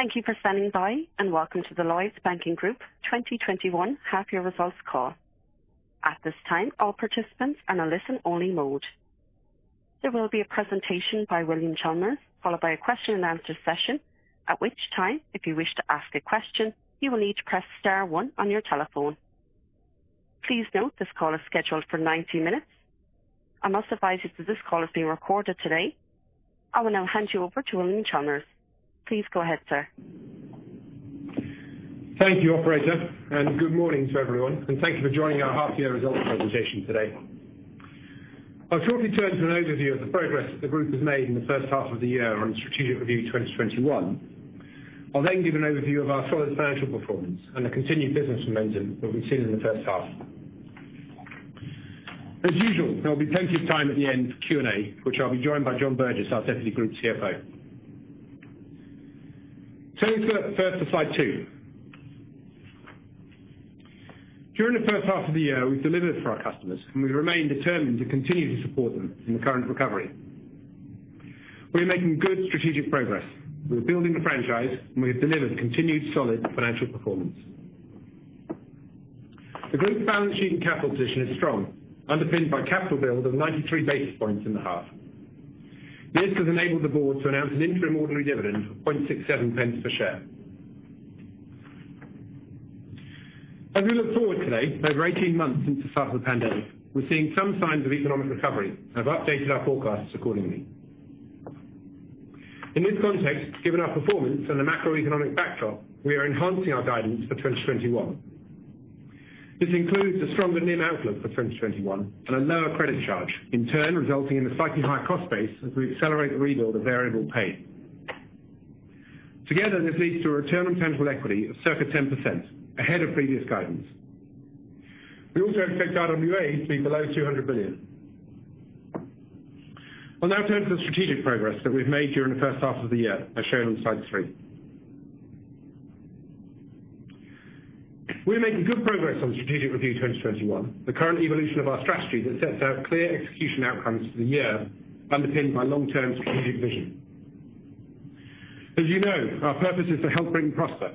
Thank you for standing by, and welcome to the Lloyds Banking Group 2021 half year results call. At this time, all participants are in a listen only mode. There will be a presentation by William Chalmers, followed by a question and answer session, at which time, if you wish to ask a question, you will need to press star one on your telephone. Please note this call is scheduled for 90 minutes. I must advise you that this call is being recorded today. I will now hand you over to William Chalmers. Please go ahead, sir. Thank you, operator. Good morning to everyone. Thank you for joining our half-year results presentation today. I'll shortly turn to an overview of the progress that the group has made in the first half of the year on Strategic Review 2021. I'll give an overview of our solid financial performance and the continued business momentum that we've seen in the first half. As usual, there will be plenty of time at the end for Q&A, which I'll be joined by Jon Burgess, our Deputy Group CFO. Turning first to slide two. During the first half of the year, we've delivered for our customers. We remain determined to continue to support them in the current recovery. We are making good strategic progress. We are building the franchise. We have delivered continued solid financial performance. The group's balance sheet and capital position is strong, underpinned by capital build of 93 basis points in the half. This has enabled the board to announce an interim ordinary dividend of 0.0067 per share. As we look forward today, over 18 months since the start of the pandemic, we're seeing some signs of economic recovery, and have updated our forecasts accordingly. In this context, given our performance and the macroeconomic backdrop, we are enhancing our guidance for 2021. This includes a stronger NIM outlook for 2021 and a lower credit charge, in turn, resulting in a slightly higher cost base as we accelerate the rebuild of variable pay. Together, this leads to a return on tangible equity of circa 10%, ahead of previous guidance. We also expect RWA to be below 200 billion. I'll now turn to the strategic progress that we've made during the first half of the year, as shown on slide three. We're making good progress on Strategic Review 2021, the current evolution of our strategy that sets out clear execution outcomes for the year, underpinned by long-term strategic vision. As you know, our purpose is to help Britain prosper.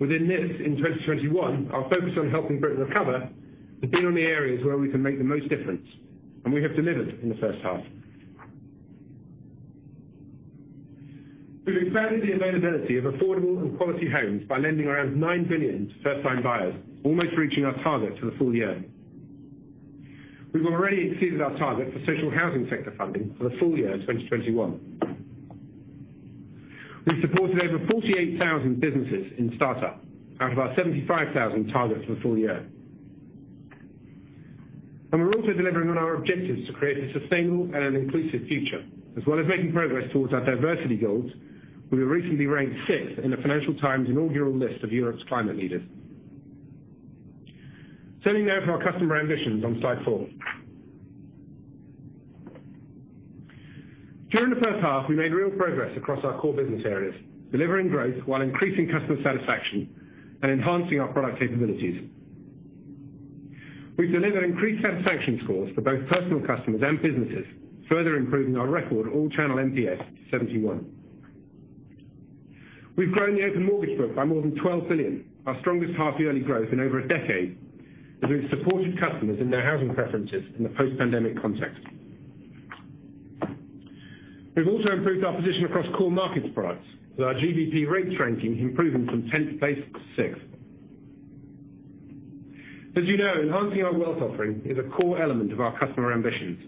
Within this, in 2021, our focus on helping Britain recover has been on the areas where we can make the most difference, and we have delivered in the first half. We've expanded the availability of affordable and quality homes by lending around 9 billion to first time buyers, almost reaching our target for the full year. We've already exceeded our target for social housing sector funding for the full year 2021. We've supported over 48,000 businesses in startup, out of our 75,000 target for the full year. We're also delivering on our objectives to create a sustainable and an inclusive future. As well as making progress towards our diversity goals, we were recently ranked 6th in The Financial Times' inaugural list of Europe's climate leaders. Turning now to our customer ambitions on slide four. During the first half, we made real progress across our core business areas, delivering growth while increasing customer satisfaction and enhancing our product capabilities. We've delivered increased satisfaction scores for both personal customers and businesses, further improving our record all channel NPS to 71. We've grown the open mortgage book by more than 12 billion, our strongest half yearly growth in over a decade, as we've supported customers in their housing preferences in the post-pandemic context. We've also improved our position across core markets products, with our GBP rates ranking improving from 10th place to 6th. As you know, enhancing our wealth offering is a core element of our customer ambitions.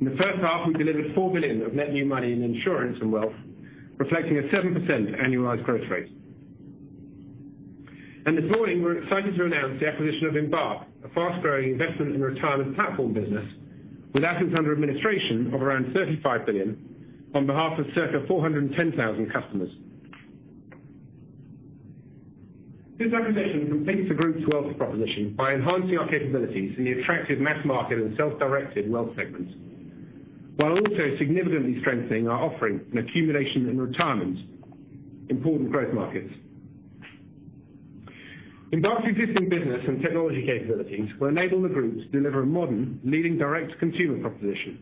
In the first half, we delivered 4 billion of net new money in insurance and wealth, reflecting a 7% annualized growth rate. This morning, we're excited to announce the acquisition of Embark, a fast-growing investment and retirement platform business, with assets under administration of around 35 billion on behalf of circa 410,000 customers. This acquisition completes the group's wealth proposition by enhancing our capabilities in the attractive mass market and self-directed wealth segments, while also significantly strengthening our offering in accumulation and retirement. Important growth markets. Embark's existing business and technology capabilities will enable the group to deliver a modern leading direct consumer proposition,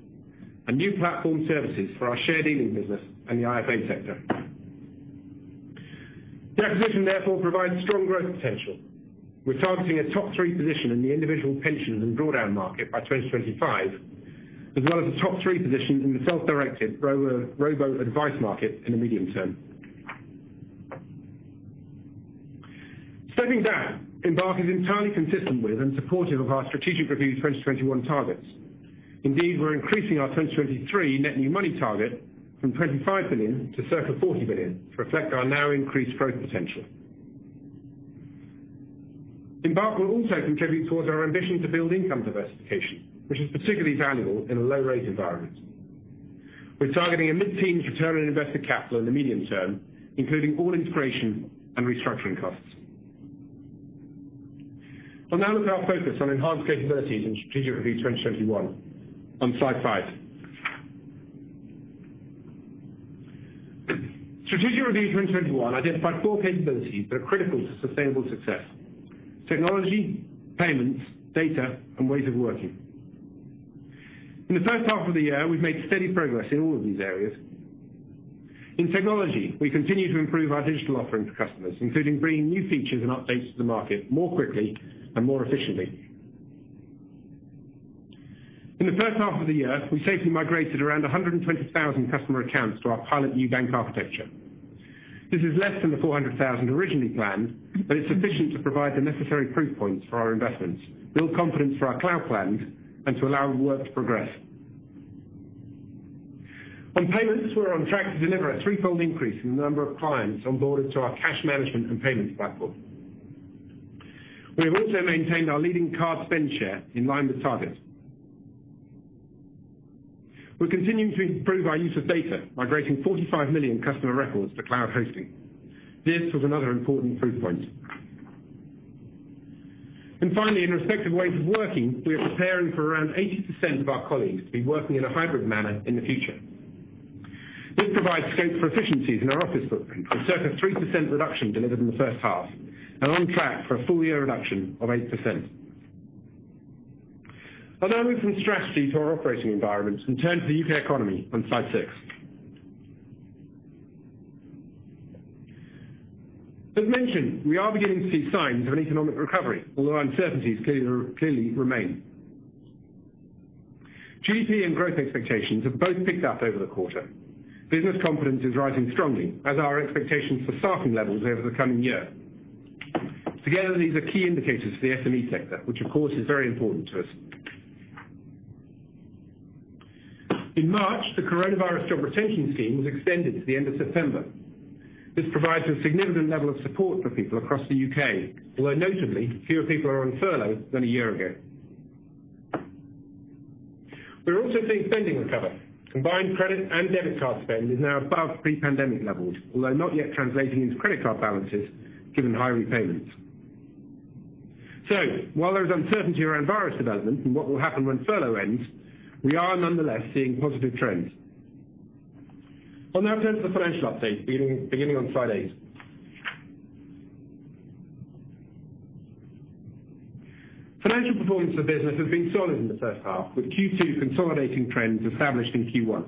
and new platform services for our share dealing business and the IFA sector. The acquisition therefore provides strong growth potential. We're targeting a top three position in the individual pensions and drawdown market by 2025, as well as a top three position in the self-directed robo advice market in the medium term. Stepping down, Embark is entirely consistent with and supportive of our Strategic Review 2021 targets. Indeed, we're increasing our 2023 net new money target from 25 billion to circa 40 billion to reflect our now increased growth potential. Embark will also contribute towards our ambition to build income diversification, which is particularly valuable in a low rate environment. We're targeting a mid-teen return on invested capital in the medium term, including all integration and restructuring costs. We'll now look at our focus on enhanced capabilities in Strategic Review 2021 on slide five. Strategic Review 2021 identified four capabilities that are critical to sustainable success. Technology, payments, data, and ways of working. In the first half of the year, we've made steady progress in all of these areas. In technology, we continue to improve our digital offering to customers, including bringing new features and updates to the market more quickly and more efficiently. In the first half of the year, we safely migrated around 120,000 customer accounts to our pilot new bank architecture. This is less than the 400,000 originally planned, it's sufficient to provide the necessary proof points for our investments, build confidence for our cloud plans, and to allow work to progress. On payments, we're on track to deliver a threefold increase in the number of clients onboarded to our cash management and payments platform. We have also maintained our leading card spend share in line with targets. We're continuing to improve our use of data, migrating 45 million customer records to cloud hosting. This was another important proof point. Finally, in respective ways of working, we are preparing for around 80% of our colleagues to be working in a hybrid manner in the future. This provides scope for efficiencies in our office footprint with circa 3% reduction delivered in the first half, and on track for a full year reduction of 8%. I'll now move from strategy to our operating environment and turn to the U.K. economy on slide six. As mentioned, we are beginning to see signs of an economic recovery, although uncertainties clearly remain. GDP and growth expectations have both picked up over the quarter. Business confidence is rising strongly, as are expectations for staffing levels over the coming year. Together, these are key indicators for the SME sector, which of course is very important to us. In March, the Coronavirus Job Retention Scheme was extended to the end of September. This provides a significant level of support for people across the U.K., although notably, fewer people are on furlough than a year ago. We're also seeing spending recover. Combined credit and debit card spend is now above pre-pandemic levels, although not yet translating into credit card balances given high repayments. While there is uncertainty around virus development and what will happen when furlough ends, we are nonetheless seeing positive trends. I'll now turn to the financial update beginning on slide eight. Financial performance of the business has been solid in the first half, with Q2 consolidating trends established in Q1.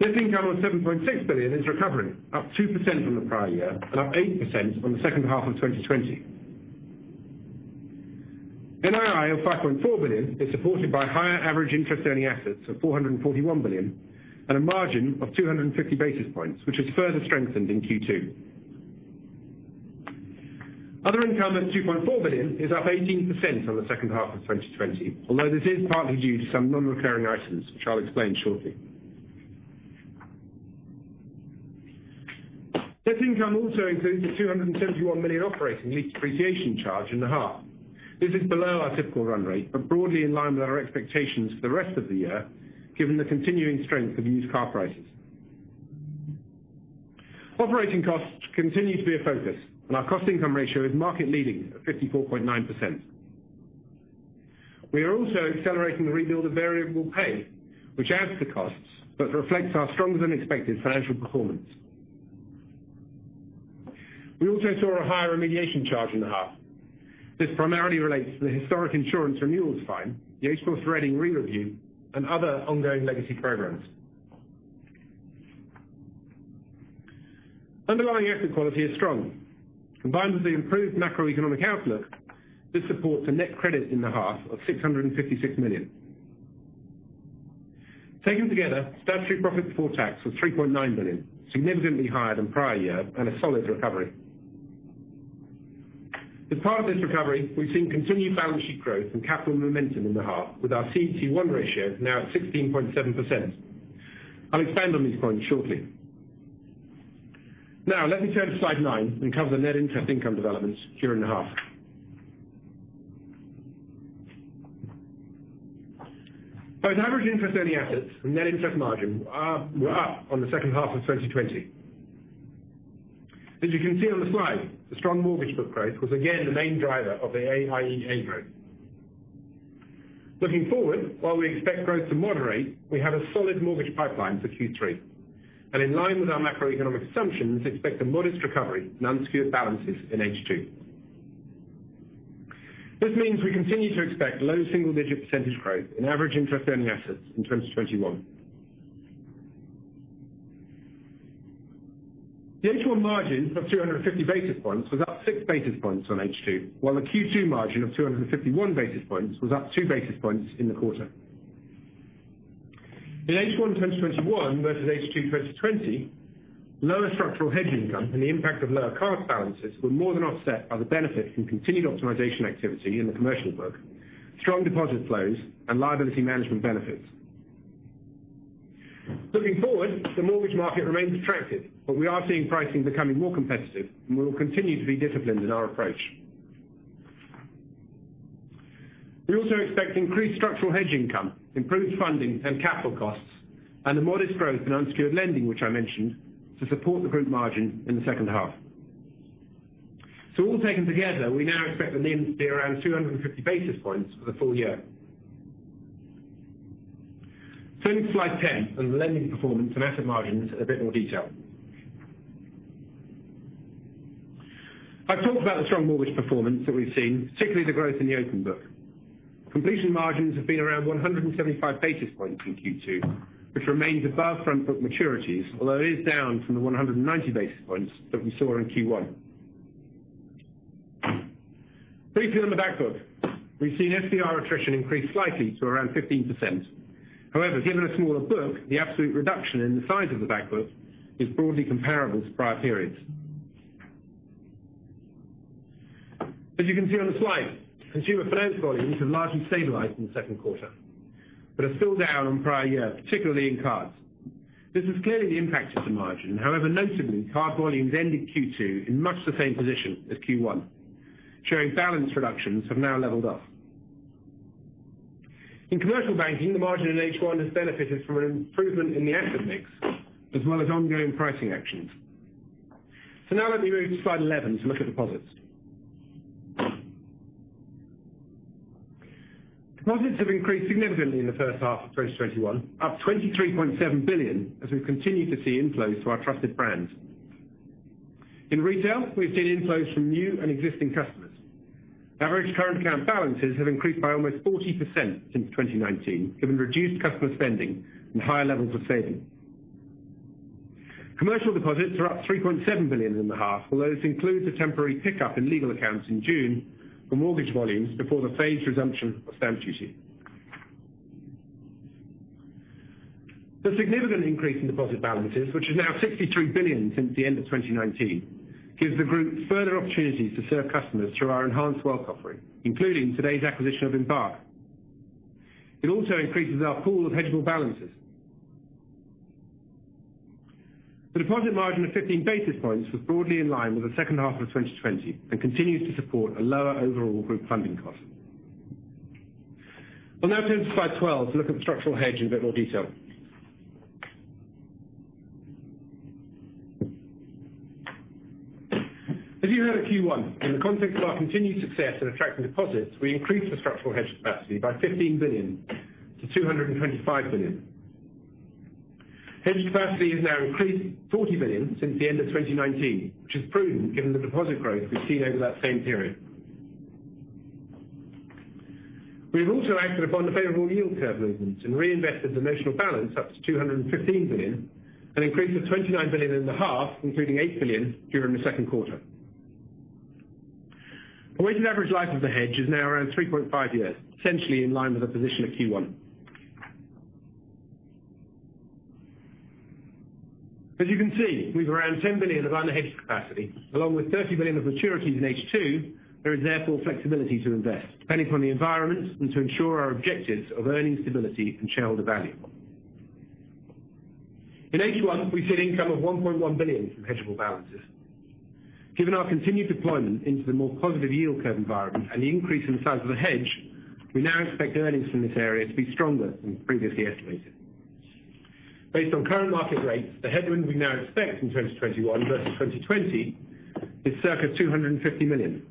Net income of 7.6 billion is recovering, up 2% from the prior year and up 8% from the second half of 2020. NII of 5.4 billion is supported by higher average interest earning assets of 441 billion and a margin of 250 basis points, which has further strengthened in Q2. Other income at 2.4 billion is up 18% from the second half of 2020, although this is partly due to some non-recurring items, which I'll explain shortly. Net income also includes a 271 million operating lease depreciation charge in the half. This is below our typical run rate, but broadly in line with our expectations for the rest of the year given the continuing strength of used car prices. Operating costs continue to be a focus, and our cost income ratio is market leading at 54.9%. We are also accelerating the rebuild of variable pay, which adds to costs but reflects our stronger than expected financial performance. We also saw a higher remediation charge in the half. This primarily relates to the historic insurance renewals fine, the HBOS Reading re-review, and other ongoing legacy programs. Underlying asset quality is strong. Combined with the improved macroeconomic outlook, this supports a net credit in the half of 656 million. Taken together, statutory profit before tax was 3.9 billion, significantly higher than prior year and a solid recovery. As part of this recovery, we have seen continued balance sheet growth and capital momentum in the half with our CET1 ratio now at 16.7%. I will expand on these points shortly. Let me turn to slide nine and cover the net interest income developments here in the half. Both average interest earning assets and net interest margin were up on the second half of 2020. As you can see on the slide, the strong mortgage book growth was again the main driver of the AIEA growth. Looking forward, while we expect growth to moderate, we have a solid mortgage pipeline for Q3, and in line with our macroeconomic assumptions, expect a modest recovery in unsecured balances in H2. This means we continue to expect low single-digit percentage growth in average interest earning assets in 2021. The H1 margin of 250 basis points was up 6 basis points on H2, while the Q2 margin of 251 basis points was up 2 basis points in the quarter. In H1 2021 versus H2 2020, lower structural hedge income and the impact of lower card balances were more than offset by the benefit from continued optimization activity in the commercial book, strong deposit flows, and liability management benefits. Looking forward, the mortgage market remains attractive, but we are seeing pricing becoming more competitive, and we will continue to be disciplined in our approach. We also expect increased structural hedge income, improved funding and capital costs, and the modest growth in unsecured lending, which I mentioned, to support the group margin in the second half. All taken together, we now expect the NIM to be around 250 basis points for the full year. Turning to slide 10 on lending performance and asset margins in a bit more detail. I talked about the strong mortgage performance that we've seen, particularly the growth in the open book. Completion margins have been around 175 basis points in Q2, which remains above front book maturities, although it is down from the 190 basis points that we saw in Q1. Briefing on the back book. We've seen FBR attrition increase slightly to around 15%. However, given a smaller book, the absolute reduction in the size of the back book is broadly comparable to prior periods. As you can see on the slide, consumer finance volumes have largely stabilized in the second quarter, but are still down on prior year, particularly in cards. This has clearly impacted the margin. However, notably, card volumes ended Q2 in much the same position as Q1, showing balance reductions have now leveled off. In commercial banking, the margin in H1 has benefited from an improvement in the asset mix, as well as ongoing pricing actions. Now let me move to slide 11 to look at deposits. Deposits have increased significantly in the first half of 2021, up 23.7 billion, as we've continued to see inflows to our trusted brands. In retail, we've seen inflows from new and existing customers. Average current account balances have increased by almost 40% since 2019, given reduced customer spending and higher levels of saving. Commercial deposits are up 3.7 billion in the half, although this includes a temporary pickup in legal accounts in June for mortgage volumes before the phased resumption of stamp duty. The significant increase in deposit balances, which is now 63 billion since the end of 2019, gives the group further opportunities to serve customers through our enhanced wealth offering, including today's acquisition of Embark. It also increases our pool of hedgeable balances. The deposit margin of 15 basis points was broadly in line with the second half of 2020 and continues to support a lower overall group funding cost. I'll now turn to slide 12 to look at the structural hedge in a bit more detail. As you heard in Q1, in the context of our continued success in attracting deposits, we increased the structural hedge capacity by 15 billion to 225 billion. Hedge capacity has now increased 40 billion since the end of 2019, which is prudent given the deposit growth we've seen over that same period. We have also acted upon the favorable yield curve movements and reinvested the notional balance up to 215 billion, an increase of 29 billion in the half, including 8 billion during the second quarter. The weighted average life of the hedge is now around 3.5 years, essentially in line with the position at Q1. As you can see, with around 10 billion of unhedged capacity, along with 30 billion of maturities in H2, there is therefore flexibility to invest, depending upon the environment and to ensure our objectives of earning stability and shareholder value. In H1, we've seen income of 1.1 billion from hedgeable balances. Given our continued deployment into the more positive yield curve environment and the increase in the size of the hedge, we now expect earnings from this area to be stronger than previously estimated. Based on current market rates, the headwind we now expect in 2021 versus 2020 is circa 250 million.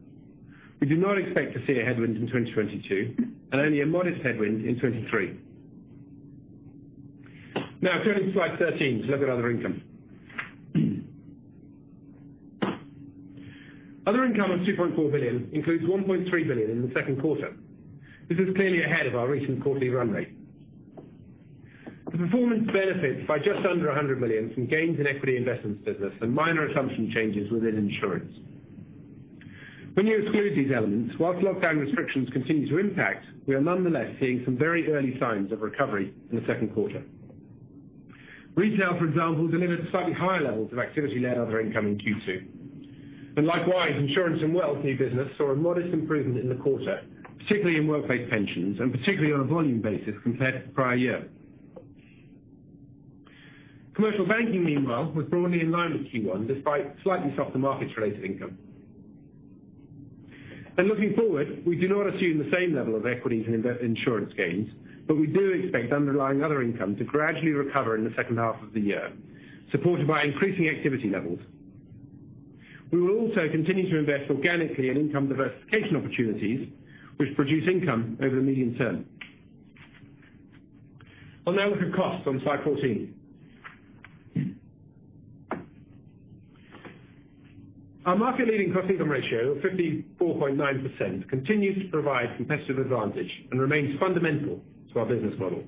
We do not expect to see a headwind in 2022 and only a modest headwind in 2023. Now turning to slide 13 to look at other income. Other income of 2.4 billion includes 1.3 billion in the second quarter. This is clearly ahead of our recent quarterly run rate. The performance benefits by just under 100 million from gains in equity investments business and minor assumption changes within insurance. When you exclude these elements, whilst lockdown restrictions continue to impact, we are nonetheless seeing some very early signs of recovery in the second quarter. Retail, for example, delivered slightly higher levels of activity led other income in Q2. Likewise, insurance and wealth new business saw a modest improvement in the quarter, particularly in workplace pensions and particularly on a volume basis compared to the prior year. Commercial Banking, meanwhile, was broadly in line with Q1 despite slightly softer markets related income. Looking forward, we do not assume the same level of equities and insurance gains, but we do expect underlying other income to gradually recover in the second half of the year, supported by increasing activity levels. We will also continue to invest organically in income diversification opportunities which produce income over the medium term. I will now look at costs on slide 14. Our market leading cost income ratio of 54.9% continues to provide competitive advantage and remains fundamental to our business model.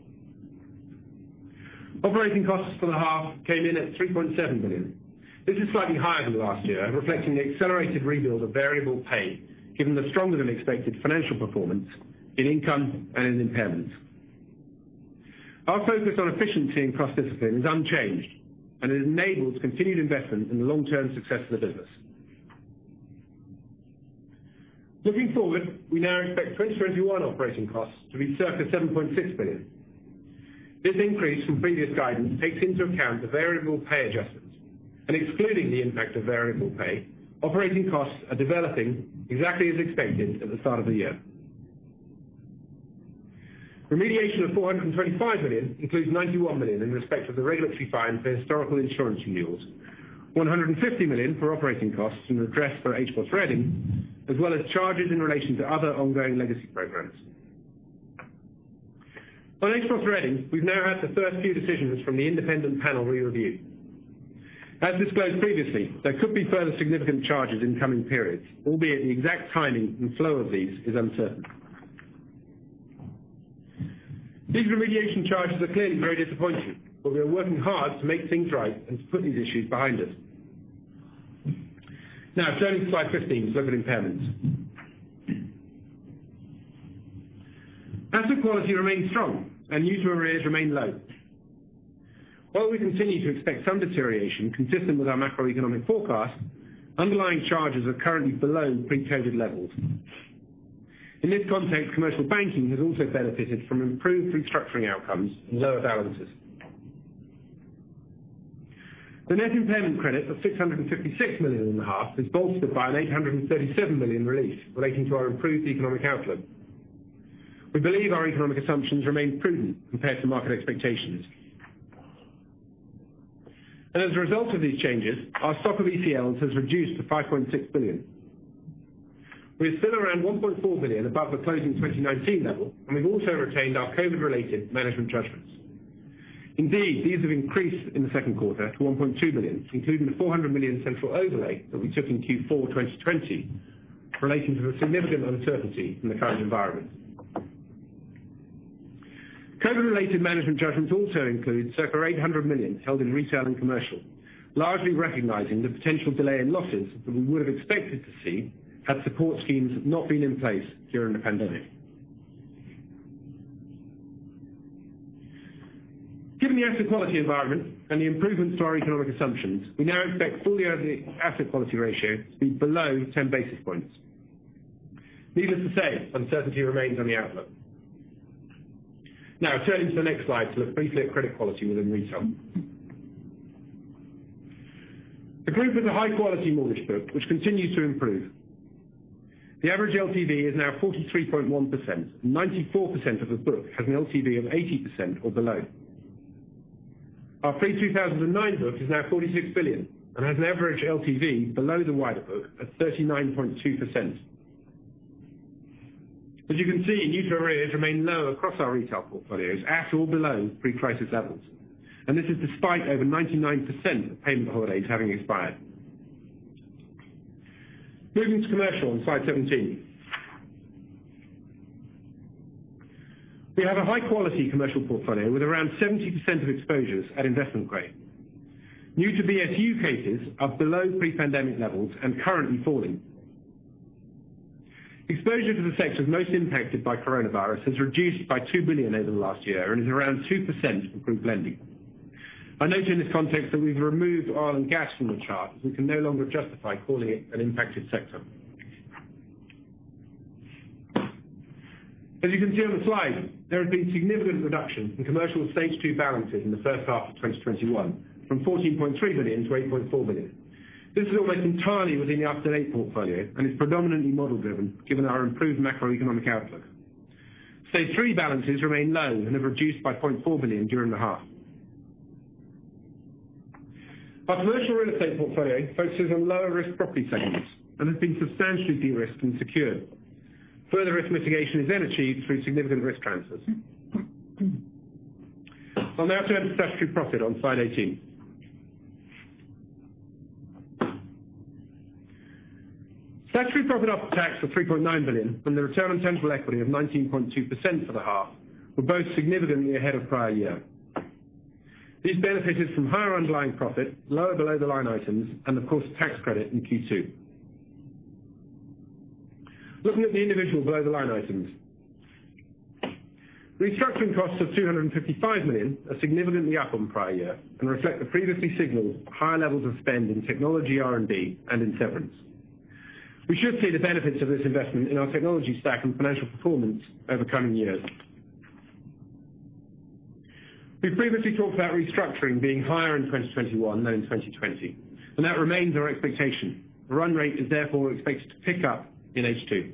Operating costs for the half came in at 3.7 billion. This is slightly higher than last year and reflecting the accelerated rebuild of variable pay given the stronger than expected financial performance in income and in impairments. Our focus on efficiency and cost discipline is unchanged and it enables continued investment in the long-term success of the business. Looking forward, we now expect 2021 operating costs to be circa 7.6 billion. This increase from previous guidance takes into account the variable pay adjustments. Excluding the impact of variable pay, operating costs are developing exactly as expected at the start of the year. Remediation of 425 million includes 91 million in respect of the regulatory fine for historical insurance renewals, 150 million for operating costs and redress for HBOS Reading, as well as charges in relation to other ongoing legacy programs. On HBOS reading, we've now had the first few decisions from the independent panel re-review. As disclosed previously, there could be further significant charges in coming periods, albeit the exact timing and flow of these is uncertain. These remediation charges are clearly very disappointing. We are working hard to make things right and to put these issues behind us. Turning to slide 15, looking at impairments. Asset quality remains strong, and user arrears remain low. While we continue to expect some deterioration consistent with our macroeconomic forecast, underlying charges are currently below pre-COVID levels. In this context, commercial banking has also benefited from improved restructuring outcomes and lower balances. The net impairment credit of 656 million in the half is bolstered by an 837 million relief relating to our improved economic outlook. We believe our economic assumptions remain prudent compared to market expectations. As a result of these changes, our stock of ECLs has reduced to 5.6 billion. We are still around 1.4 billion above the closing 2019 level, and we've also retained our COVID-related management judgments. Indeed, these have increased in the second quarter to 1.2 billion, including the 400 million central overlay that we took in Q4 2020 relating to the significant uncertainty in the current environment. COVID-related management judgments also include circa 800 million held in retail and commercial, largely recognizing the potential delay in losses that we would have expected to see had support schemes not been in place during the pandemic. Given the asset quality environment and the improvements to our economic assumptions, we now expect full-year asset quality ratio to be below 10 basis points. Needless to say, uncertainty remains on the outlook. Turning to the next slide to look briefly at credit quality within retail. The group has a high-quality mortgage book, which continues to improve. The average LTV is now 43.1%, and 94% of the book has an LTV of 80% or below. Our pre-2009 book is now 46 billion and has an average LTV below the wider book at 39.2%. As you can see, new to arrears remain low across our retail portfolios at or below pre-crisis levels. This is despite over 99% of payment holidays having expired. Moving to commercial on slide 17. We have a high quality commercial portfolio with around 70% of exposures at investment grade. New to BSU cases are below pre-pandemic levels and currently falling. Exposure to the sectors most impacted by coronavirus has reduced by 2 billion over the last year and is around 2% of group lending. I note in this context that we've removed oil and gas from the chart, as we can no longer justify calling it an impacted sector. As you can see on the slide, there has been significant reduction in commercial stage two balances in the first half of 2021, from 14.3 billion-8.4 billion. This is almost entirely within the up-to-date portfolio and is predominantly model driven, given our improved macroeconomic outlook. Stage three balances remain low and have reduced by 0.4 billion during the half. Our commercial real estate portfolio focuses on lower risk property segments and has been substantially de-risked and secured. Further risk mitigation is achieved through significant risk transfers. I'll now turn to statutory profit on slide 18. Statutory profit after tax of 3.9 billion from the return on tangible equity of 19.2% for the half were both significantly ahead of prior year. These benefited from higher underlying profit, lower below the line items, and of course, tax credit in Q2. Looking at the individual below the line items. Restructuring costs of 255 million are significantly up on prior year and reflect the previously signaled higher levels of spend in technology R&D and in severance. We should see the benefits of this investment in our technology stack and financial performance over coming years. We've previously talked about restructuring being higher in 2021 than in 2020. That remains our expectation. The run rate is therefore expected to pick up in H2.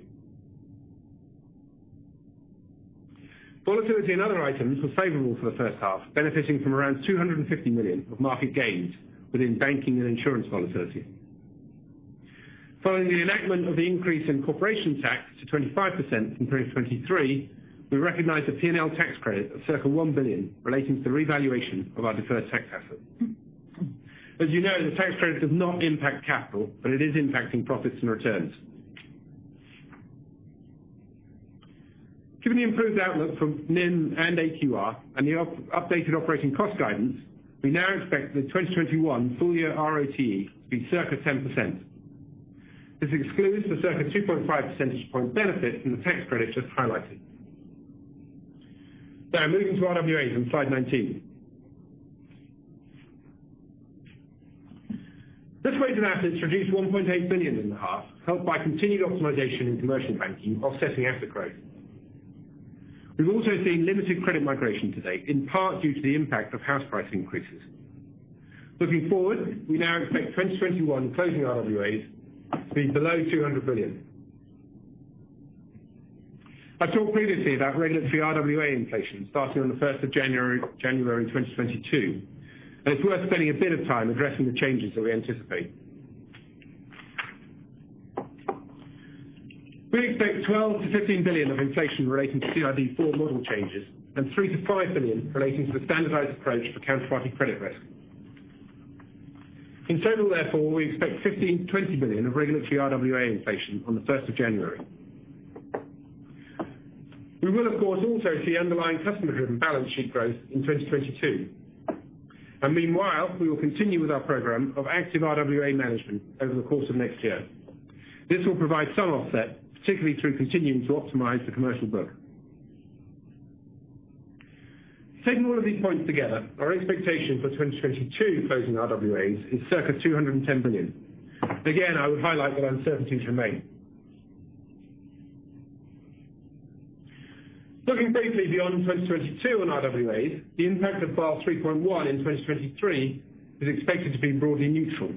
Volatility in other items was favorable for the first half, benefiting from around 250 million of market gains within banking and insurance volatility. Following the enactment of the increase in corporation tax to 25% in 2023, we recognized a P&L tax credit of circa 1 billion relating to the revaluation of our deferred tax assets. As you know, the tax credit does not impact capital, but it is impacting profits and returns. Given the improved outlook for NIM and AQR and the updated operating cost guidance, we now expect the 2021 full year ROTE to be circa 10%. This excludes the circa 2.5 percentage point benefit from the tax credit just highlighted. Now moving to RWAs on slide 19. Weighted assets reduced 1.8 billion in the half, helped by continued optimization in commercial banking offsetting asset growth. We've also seen limited credit migration to date, in part due to the impact of house price increases. Looking forward, we now expect 2021 closing RWAs to be below 200 billion. I talked previously about regulatory RWA inflation starting on the 1st of January 2022, and it's worth spending a bit of time addressing the changes that we anticipate. We expect 12 billion-15 billion of inflation relating to CRD IV model changes and 3 billion-5 billion relating to the standardized approach for counterparty credit risk. In total, therefore, we expect 15 billion-20 billion of regulatory RWA inflation on the 1st of January. We will, of course, also see underlying customer-driven balance sheet growth in 2022. Meanwhile, we will continue with our program of active RWA management over the course of next year. This will provide some offset, particularly through continuing to optimize the commercial book. Taking all of these points together, our expectation for 2022 closing RWAs is circa 210 billion. Again, I would highlight that uncertainties remain. Looking briefly beyond 2022 on RWAs, the impact of Basel 3.1 in 2023 is expected to be broadly neutral.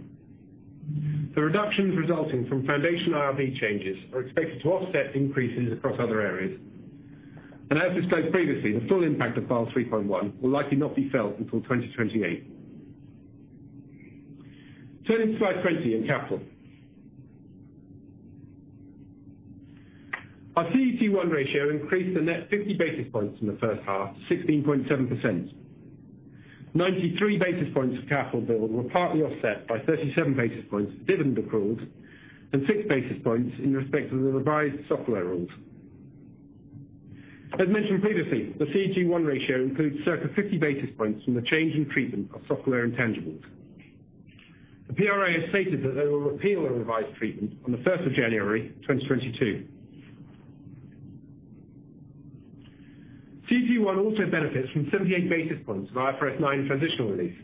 The reductions resulting from Foundation IRB changes are expected to offset increases across other areas. As described previously, the full impact of Basel 3.1 will likely not be felt until 2028. Turning to slide 20 on capital. Our CET1 ratio increased a net 50 basis points from the first half to 16.7%. 93 basis points of capital build were partly offset by 37 basis points of dividend accrued and 6 basis points in respect of the revised software rules. As mentioned previously, the CET1 ratio includes circa 50 basis points from the change in treatment of software intangibles. The PRA has stated that they will repeal the revised treatment on the 1st of January 2022. CET1 also benefits from 78 basis points of IFRS 9 transitional relief.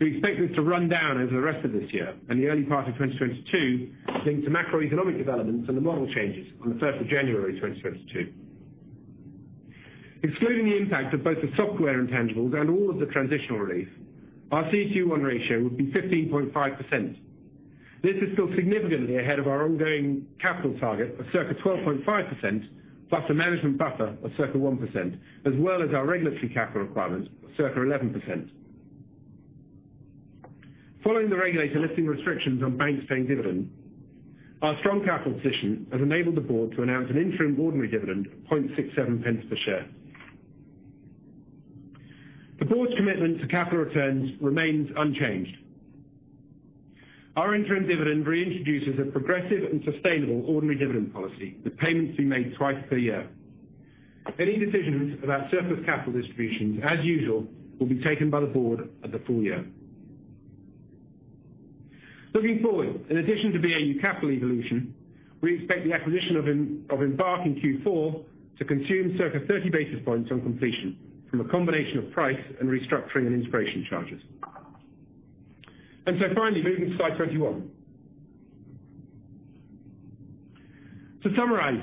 We expect this to run down over the rest of this year and the early part of 2022, linked to macroeconomic developments and the model changes on the 1st of January 2022. Excluding the impact of both the software intangibles and all of the transitional relief, our CET1 ratio would be 15.5%. This is still significantly ahead of our ongoing capital target of circa 12.5%, plus a management buffer of circa 1%, as well as our regulatory capital requirements of circa 11%. Following the regulator lifting restrictions on banks paying dividends, our strong capital position has enabled the board to announce an interim ordinary dividend of 0.0067 per share. The board's commitment to capital returns remains unchanged. Our interim dividend reintroduces a progressive and sustainable ordinary dividend policy, with payments to be made twice per year. Any decisions about surplus capital distributions, as usual, will be taken by the board at the full year. Looking forward, in addition to BAU capital evolution, we expect the acquisition of Embark in Q4 to consume circa 30 basis points on completion from a combination of price and restructuring and integration charges. Finally, moving to slide 21. To summarize,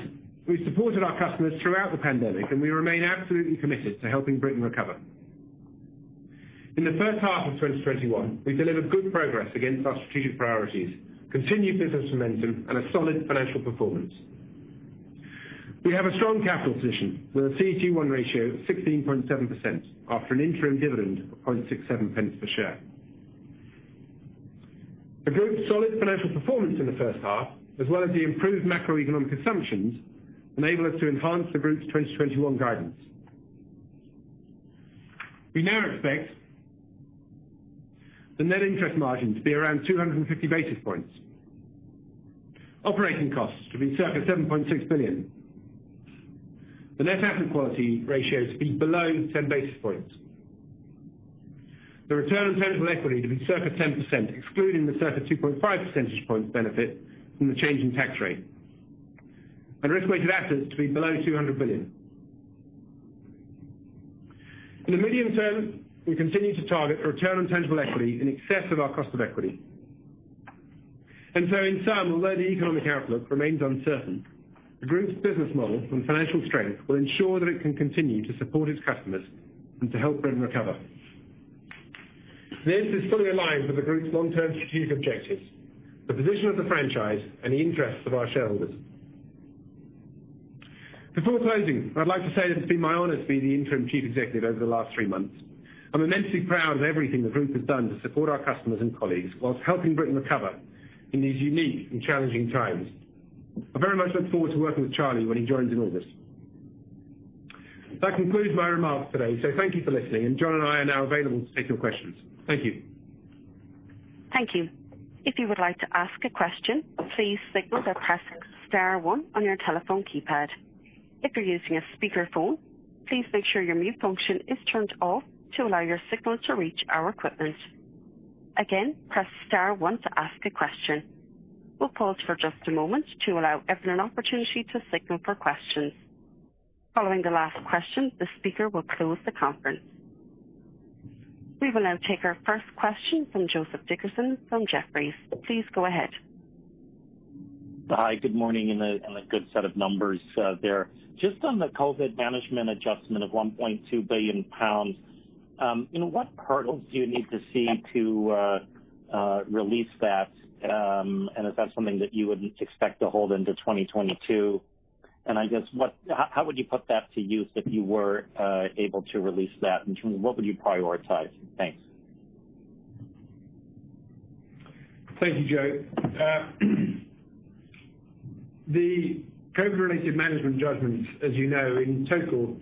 we supported our customers throughout the pandemic. We remain absolutely committed to helping Britain recover. In the first half of 2021, we delivered good progress against our strategic priorities, continued business momentum, and a solid financial performance. We have a strong capital position with a CET1 ratio of 16.7%, after an interim dividend of 0.0067 per share. The group's solid financial performance in the first half, as well as the improved macroeconomic assumptions, enable us to enhance the group's 2021 guidance. We now expect the net interest margin to be around 250 basis points, operating costs to be circa 7.6 billion, the net asset quality ratio to be below 10 basis points, the return on tangible equity to be circa 10%, excluding the circa 2.5 percentage points benefit from the change in tax rate, and risk-weighted assets to be below 200 billion. In the medium term, we continue to target a return on tangible equity in excess of our cost of equity. In sum, although the economic outlook remains uncertain, the group's business model and financial strength will ensure that it can continue to support its customers and to help Britain recover. This is fully aligned with the group's long-term strategic objectives, the position of the franchise, and the interests of our shareholders. Before closing, I'd like to say that it's been my honor to be the interim chief executive over the last three months. I'm immensely proud of everything the group has done to support our customers and colleagues whilst helping Britain recover in these unique and challenging times. I very much look forward to working with Charlie when he joins in August. That concludes my remarks today. Thank you for listening, and Jon and I are now available to take your questions. Thank you. Thank you. If you would like to ask a question, please signal by pressing star one on your telephone keypad. If you're using a speakerphone, please make sure your mute function is turned off to allow your signal to reach our equipment. Again, press star one to ask a question. We'll pause for just a moment to allow everyone an opportunity to signal for questions. Following the last question, the speaker will close the conference. We will now take our first question from Joseph Dickerson from Jefferies. Please go ahead. Hi. Good morning, a good set of numbers there. Just on the COVID management adjustment of 1.2 billion pounds, what hurdles do you need to see to release that? Is that something that you would expect to hold into 2022? I guess, how would you put that to use if you were able to release that? What would you prioritize? Thanks. Thank you, Joe. The COVID-related management judgments, as you know, in total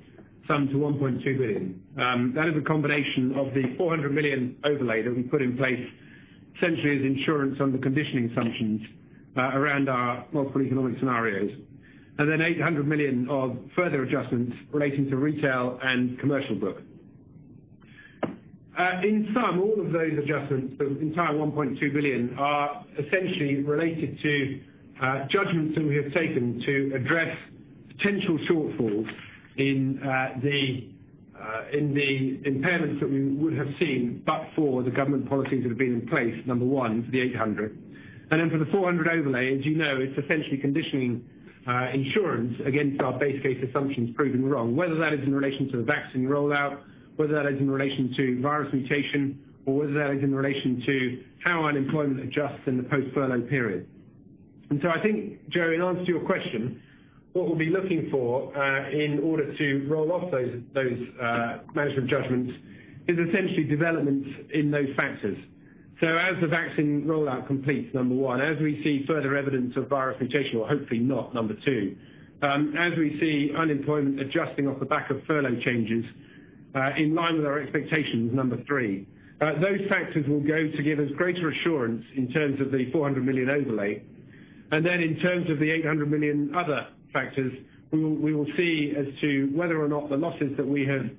sum to 1.2 billion. That is a combination of the 400 million overlay that we put in place essentially as insurance under conditioning assumptions around our multiple economic scenarios, and then 800 million of further adjustments relating to retail and commercial book. In sum, all of those adjustments, the entire 1.2 billion, are essentially related to judgments that we have taken to address potential shortfalls in the impairments that we would have seen, but for the government policies that have been in place, number one, for the 800. For the 400 overlay, as you know, it's essentially conditioning insurance against our base case assumptions proven wrong. Whether that is in relation to the vaccine rollout, whether that is in relation to virus mutation, or whether that is in relation to how unemployment adjusts in the post-furlough period. I think, Joe, in answer to your question, what we'll be looking for in order to roll off those management judgments is essentially developments in those factors. As the vaccine rollout completes, number one. As we see further evidence of virus mutation, or hopefully not, number two. As we see unemployment adjusting off the back of furlough changes, in line with our expectations, number three. Those factors will go to give us greater assurance in terms of the 400 million overlay. In terms of the 800 million other factors, we will see as to whether or not the losses that we have,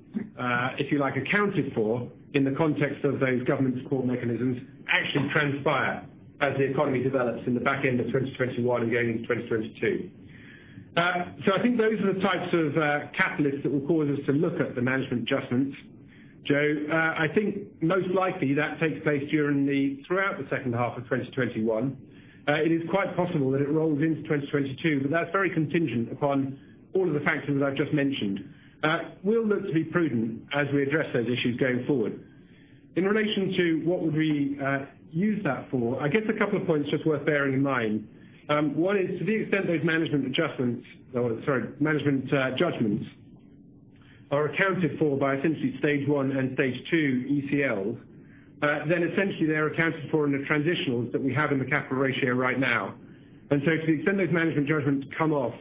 if you like, accounted for in the context of those government support mechanisms actually transpire as the economy develops in the back end of 2021 and going into 2022. I think those are the types of catalysts that will cause us to look at the management adjustments, Joe. I think most likely that takes place throughout the second half of 2021. It is quite possible that it rolls into 2022, but that's very contingent upon all of the factors that I've just mentioned. We'll look to be prudent as we address those issues going forward. In relation to what would we use that for, I guess a couple of points just worth bearing in mind. One is, to the extent those management adjustments, sorry, management judgments are accounted for by essentially stage one and stage two ECLs, essentially they are accounted for in the transitionals that we have in the capital ratio right now. To the extent those management judgments come off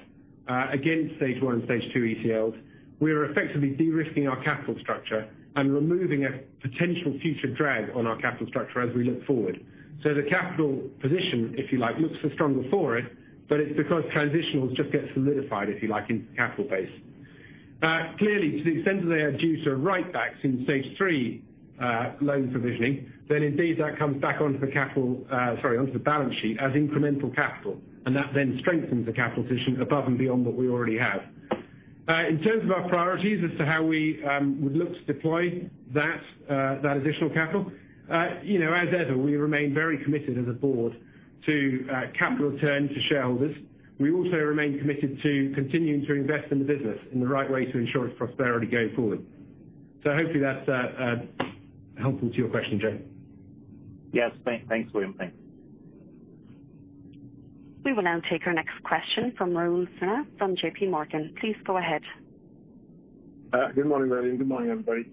against stage one and stage two ECLs, we are effectively de-risking our capital structure and removing a potential future drag on our capital structure as we look forward. The capital position, if you like, looks for stronger forward, but it's because transitionals just get solidified, if you like, into capital base. Clearly, to the extent that they are due to write backs in stage three loan provisioning, indeed, that comes back onto the capital, sorry, onto the balance sheet as incremental capital, that then strengthens the capital position above and beyond what we already have. In terms of our priorities as to how we would look to deploy that additional capital. We remain very committed as a board to capital return to shareholders. We also remain committed to continuing to invest in the business in the right way to ensure its prosperity going forward. Hopefully that's helpful to your question, Joe. Yes. Thanks, William. Thanks. We will now take our next question from Rahul Sinha from JP Morgan. Please go ahead. Good morning, William, and good morning, everybody.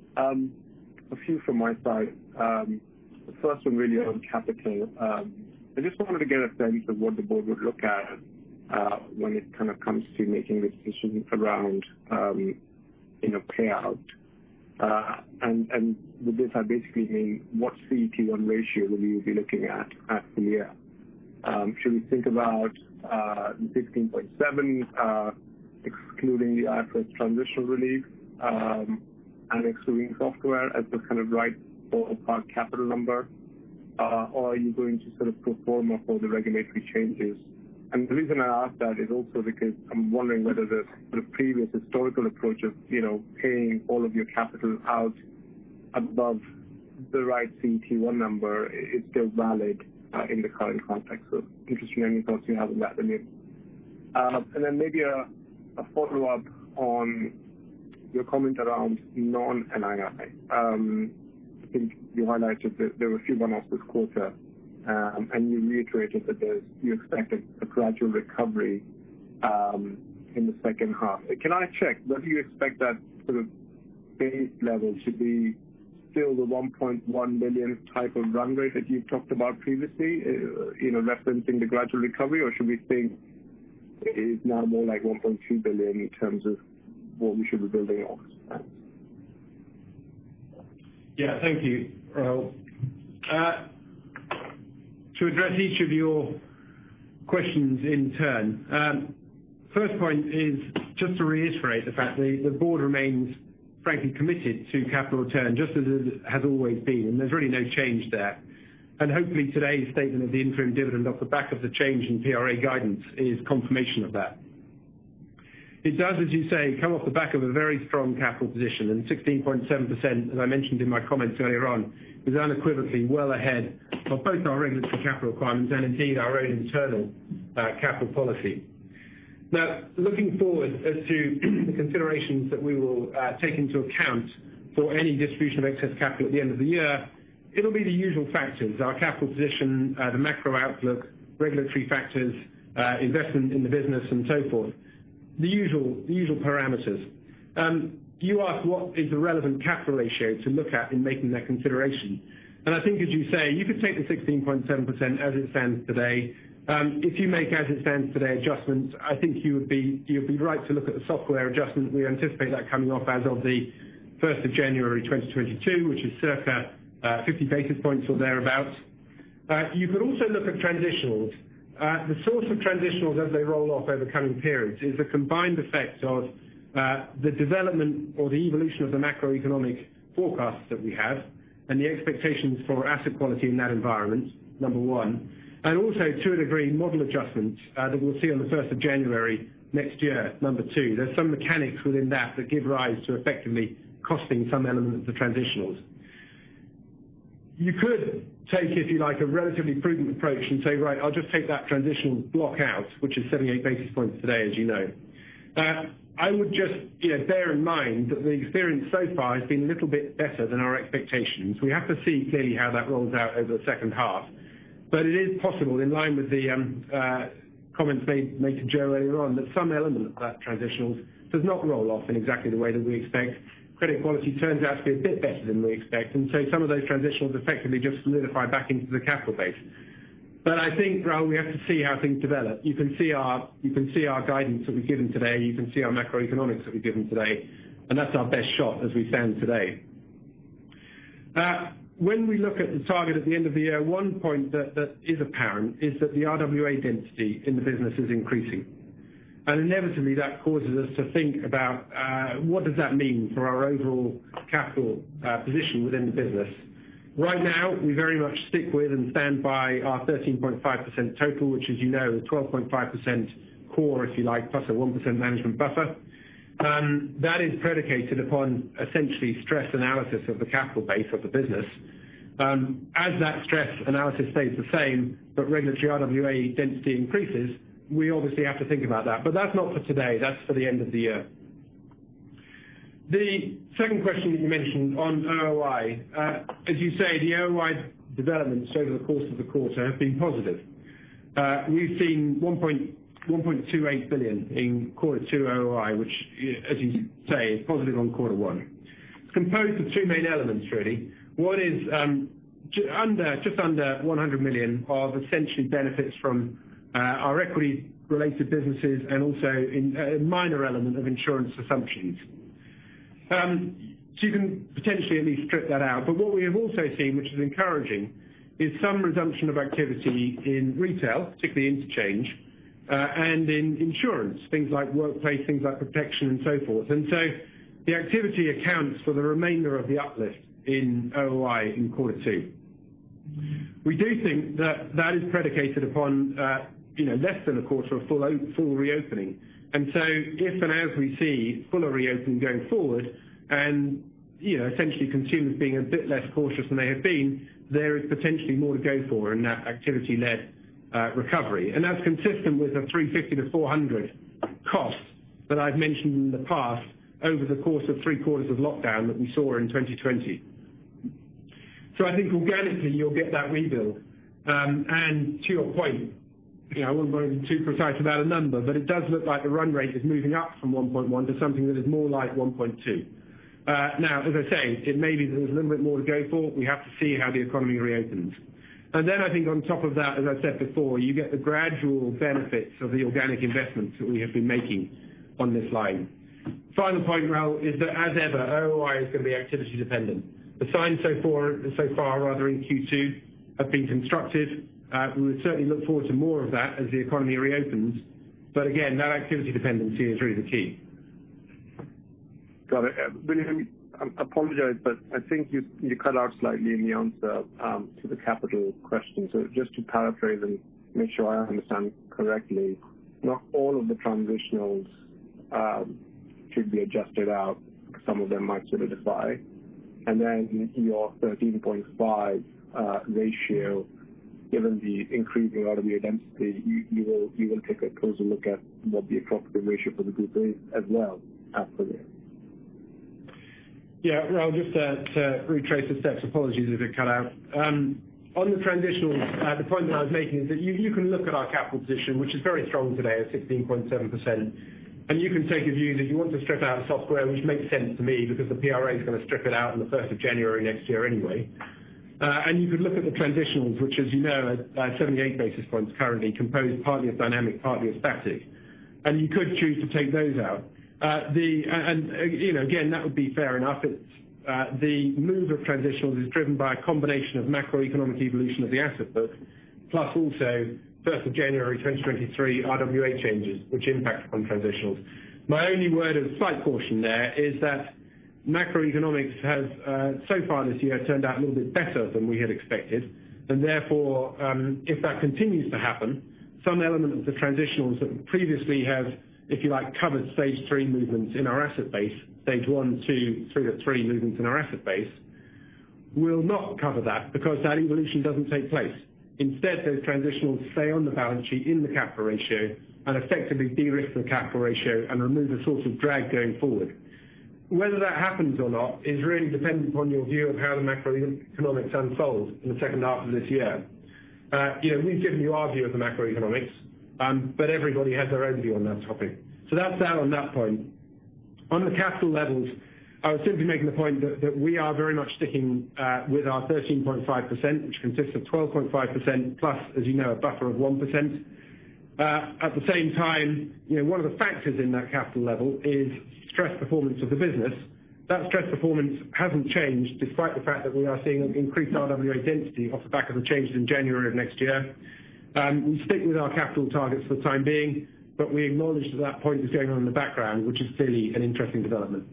A few from my side. The first one really on capital. I just wanted to get a sense of what the board would look at when it kind of comes to making the decisions around payout. With this, I basically mean what CET1 ratio will you be looking at at the year? Should we think about 16.7, excluding the IFRS transitional relief, and excluding software as the kind of right ballpark capital number? Or are you going to sort of pro forma for the regulatory changes? The reason I ask that is also because I'm wondering whether the sort of previous historical approach of paying all of your capital out above the right CET1 number is still valid in the current context. Interested in any thoughts you have on that, William. Maybe a follow-up on your comment around non-NII. I think you highlighted that there were a few one-offs this quarter, and you reiterated that you expected a gradual recovery in the second half. Can I check whether you expect that sort of base level to be still the 1.1 billion type of run rate that you talked about previously, referencing the gradual recovery? Or should we think it is now more like 1.2 billion in terms of what we should be building off of that? Thank you, Rahul. To address each of your questions in turn. First point is just to reiterate the fact the board remains frankly committed to capital return, just as it has always been, and there's really no change there. Hopefully today's statement of the interim dividend off the back of the change in PRA guidance is confirmation of that. It does, as you say, come off the back of a very strong capital position, and 16.7%, as I mentioned in my comments earlier on, is unequivocally well ahead of both our regulatory capital requirements and indeed our own internal capital policy. Now, looking forward as to the considerations that we will take into account for any distribution of excess capital at the end of the year, it'll be the usual factors. Our capital position, the macro outlook, regulatory factors, investment in the business and so forth. The usual parameters. You ask what is the relevant capital ratio to look at in making that consideration. I think as you say, you could take the 16.7% as it stands today. If you make as it stands today adjustments, I think you'd be right to look at the software adjustment. We anticipate that coming off as of the 1st of January 2022, which is circa 50 basis points or thereabout. You could also look at transitionals. The source of transitionals as they roll off over coming periods is a combined effect of the development or the evolution of the macroeconomic forecasts that we have and the expectations for asset quality in that environment, number one, and also to a degree, model adjustments, that we'll see on the 1st of January next year, number two. There's some mechanics within that give rise to effectively costing some element of the transitionals. You could take, if you like, a relatively prudent approach and say, "Right, I'll just take that transitional block out," which is 78 basis points today, as you know. I would just bear in mind that the experience so far has been a little bit better than our expectations. We have to see clearly how that rolls out over the second half. It is possible, in line with the comments made to Joseph Dickerson earlier on, that some element of that transitionals does not roll off in exactly the way that we expect. Credit quality turns out to be a bit better than we expect, and so some of those transitionals effectively just solidify back into the capital base. I think, Rahul Sinha, we have to see how things develop. You can see our guidance that we've given today. You can see our macroeconomics that we've given today. That's our best shot as we stand today. When we look at the target at the end of the year, one point that is apparent is that the RWA density in the business is increasing. Inevitably, that causes us to think about, what does that mean for our overall capital position within the business? Right now, we very much stick with and stand by our 13.5% total, which as you know, is 12.5% core, if you like, plus a 1% management buffer. That is predicated upon essentially stress analysis of the capital base of the business. As that stress analysis stays the same, but regulatory RWA density increases, we obviously have to think about that. That's not for today. That's for the end of the year. The second question that you mentioned on OOI. As you say, the OOI developments over the course of the quarter have been positive. We've seen 1.28 billion in quarter two OOI, which, as you say, is positive on quarter one. Composed of two main elements really. One is just under 100 million of essentially benefits from our equity related businesses and also a minor element of insurance assumptions. You can potentially at least strip that out. What we have also seen, which is encouraging, is some resumption of activity in retail, particularly interchange, and in insurance, things like workplace, things like protection and so forth. The activity accounts for the remainder of the uplift in OOI in quarter two. We do think that that is predicated upon less than a quarter of full reopening. If and as we see fuller reopen going forward and essentially consumers being a bit less cautious than they have been, there is potentially more to go for in that activity led recovery. That's consistent with the 350-400 cost that I've mentioned in the past over the course of three quarters of lockdown that we saw in 2020. I think organically you'll get that rebuild. To your point, I wouldn't want to be too precise about a number, but it does look like the run rate is moving up from 1.1 to something that is more like 1.2. Now, as I say, it may be there's a little bit more to go for. We have to see how the economy reopens. I think on top of that, as I said before, you get the gradual benefits of the organic investments that we have been making on this line. Final point, Rahul, is that as ever, OOI is going to be activity dependent. The signs so far are in Q2 have been constructive. We would certainly look forward to more of that as the economy reopens. Again, that activity dependency is really the key. Got it. William, I apologize, but I think you cut out slightly in the answer to the capital question. Just to paraphrase and make sure I understand correctly, not all of the transitionals should be adjusted out. Some of them might solidify. Then in your 13.5 ratio, given the increasing RWA density, you will take a closer look at what the appropriate ratio for the group is as well after this. Rahul, just to retrace the steps. Apologies if it cut out. On the transitionals, the point that I was making is that you can look at our capital position, which is very strong today at 16.7%, you can take a view that you want to strip out software, which makes sense to me because the PRA is going to strip it out on the 1st of January next year anyway. You could look at the transitionals, which as you know, at 78 basis points currently composed partly of dynamic, partly of static. You could choose to take those out. Again, that would be fair enough. The move of transitionals is driven by a combination of macroeconomic evolution of the asset book, plus also 1st of January 2023 RWA changes, which impact upon transitionals. My only word of slight caution there is that macroeconomics has so far this year turned out a little bit better than we had expected, and therefore, if that continues to happen, some element of the transitionals that previously have, if you like, covered stage three movements in our asset base, stage one, two, three movements in our asset base will not cover that because that evolution doesn't take place. Instead, those transitionals stay on the balance sheet in the capital ratio and effectively de-risk the capital ratio and remove a source of drag going forward. Whether that happens or not is really dependent upon your view of how the macroeconomics unfold in the second half of this year. We've given you our view of the macroeconomics, but everybody has their own view on that topic. That's that on that point. On the capital levels, I was simply making the point that we are very much sticking with our 13.5%, which consists of 12.5% plus, as you know, a buffer of 1%. At the same time, one of the factors in that capital level is stress performance of the business. That stress performance hasn't changed, despite the fact that we are seeing an increased RWA density off the back of the changes in January of next year. We stick with our capital targets for the time being, but we acknowledge that that point is going on in the background, which is clearly an interesting development.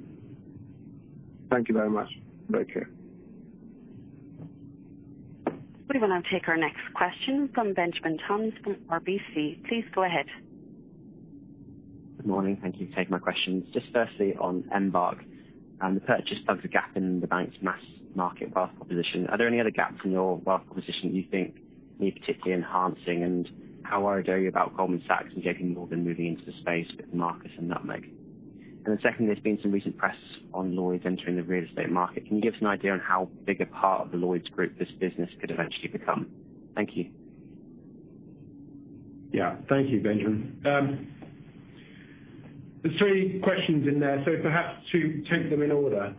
Thank you very much. Thank you. We will now take our next question from Benjamin Toms from RBC. Please go ahead. Good morning. Thank you for taking my questions. Firstly, on Embark and the purchase plugs a gap in the bank's mass market wealth proposition. Are there any other gaps in your wealth proposition that you think need particularly enhancing, and how worried are you about Goldman Sachs and JP Morgan moving into the space with Marcus and Nutmeg? Secondly, there's been some recent press on Lloyds entering the real estate market. Can you give us an idea on how big a part of the Lloyds group this business could eventually become? Thank you. Yeah. Thank you, Benjamin. There's three questions in there, perhaps to take them in order.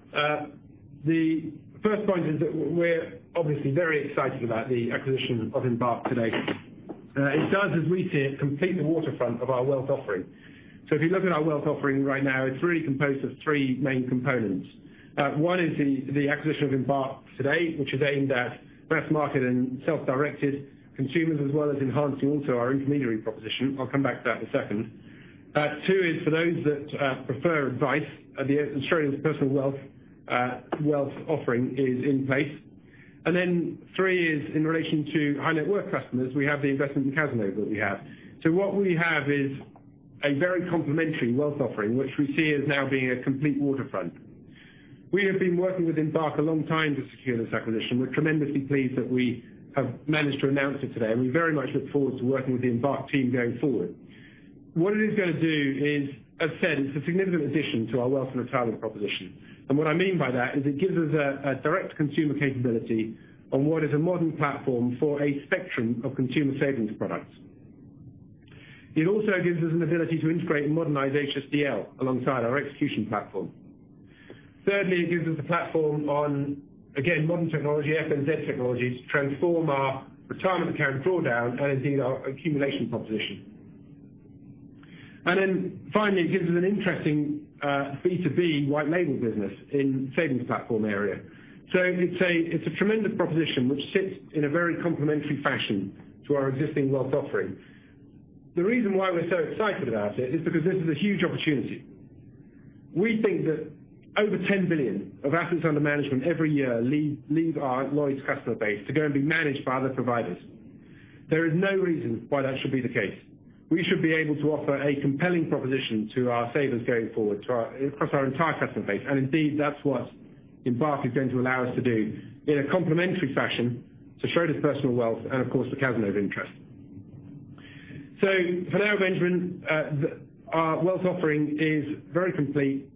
The first point is that we're obviously very excited about the acquisition of Embark today. It does, as we see it, complete the waterfront of our wealth offering. If you look at our wealth offering right now, it's really composed of three main components. One is the acquisition of Embark today, which is aimed at mass market and self-directed consumers, as well as enhancing also our intermediary proposition. I'll come back to that in a second. Two is for those that prefer advice, at the personal wealth offering is in place. Three is in relation to high net worth customers. We have the investment in Cazenove Capital that we have. What we have is a very complementary wealth offering, which we see as now being a complete waterfront. We have been working with Embark a long time to secure this acquisition. We're tremendously pleased that we have managed to announce it today, and we very much look forward to working with the Embark team going forward. What it is going to do is, as said, it's a significant addition to our wealth and retirement proposition. What I mean by that, is it gives us a direct consumer capability on what is a modern platform for a spectrum of consumer savings products. It also gives us an ability to integrate and modernize HSDL alongside our execution platform. Thirdly, it gives us a platform on, again, modern technology, FNZ technology, to transform our retirement account drawdown and indeed our accumulation proposition. Then finally, it gives us an interesting B2B white label business in savings platform area. It's a tremendous proposition which sits in a very complementary fashion to our existing wealth offering. The reason why we're so excited about it is because this is a huge opportunity. We think that over 10 billion of assets under management every year leave our Lloyds customer base to go and be managed by other providers. There is no reason why that should be the case. We should be able to offer a compelling proposition to our savers going forward across our entire customer base. Indeed, that's what Embark is going to allow us to do in a complementary fashion to Schroders Personal Wealth and of course the Cazenove interest. For now, Benjamin, our wealth offering is very complete.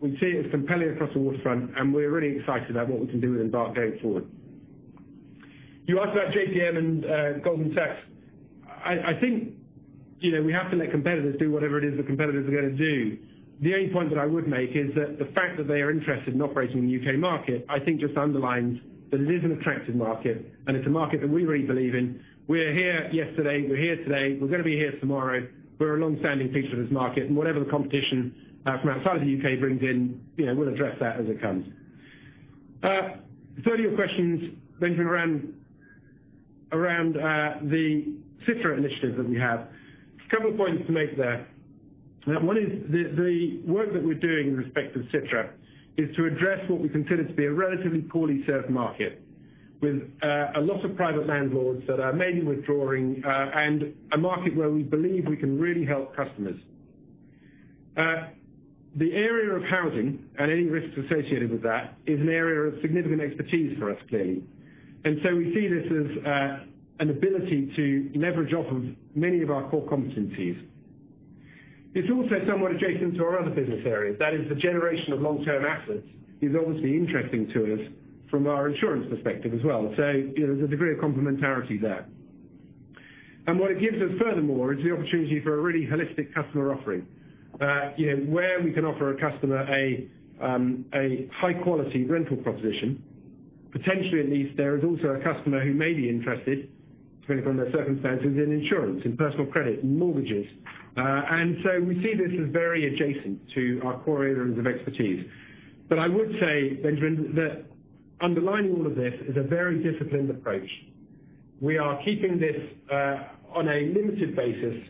We see it as compelling across the waterfront, and we're really excited about what we can do with Embark going forward. You asked about JPM and Goldman Sachs. I think we have to let competitors do whatever it is the competitors are going to do. The only point that I would make is that the fact that they are interested in operating in the U.K. market, I think just underlines that it is an attractive market and it's a market that we really believe in. We're here yesterday, we're here today, we're going to be here tomorrow. We're a longstanding feature of this market, whatever the competition from outside of the U.K. brings in, we'll address that as it comes. The third of your questions, Benjamin, around the Citra Initiative that we have. A couple of points to make there. One is the work that we're doing in respect of Citra is to address what we consider to be a relatively poorly served market with a lot of private landlords that are mainly withdrawing, and a market where we believe we can really help customers. The area of housing and any risks associated with that is an area of significant expertise for us, clearly. We see this as an ability to leverage off of many of our core competencies. It's also somewhat adjacent to our other business areas. That is, the generation of long-term assets is obviously interesting to us from our insurance perspective as well. There's a degree of complementarity there. What it gives us furthermore is the opportunity for a really holistic customer offering. Where we can offer a customer a high quality rental proposition, potentially at least there is also a customer who may be interested, depending on their circumstances, in insurance, in personal credit, in mortgages. We see this as very adjacent to our core areas of expertise. I would say, Benjamin, that underlining all of this is a very disciplined approach. We are keeping this on a limited basis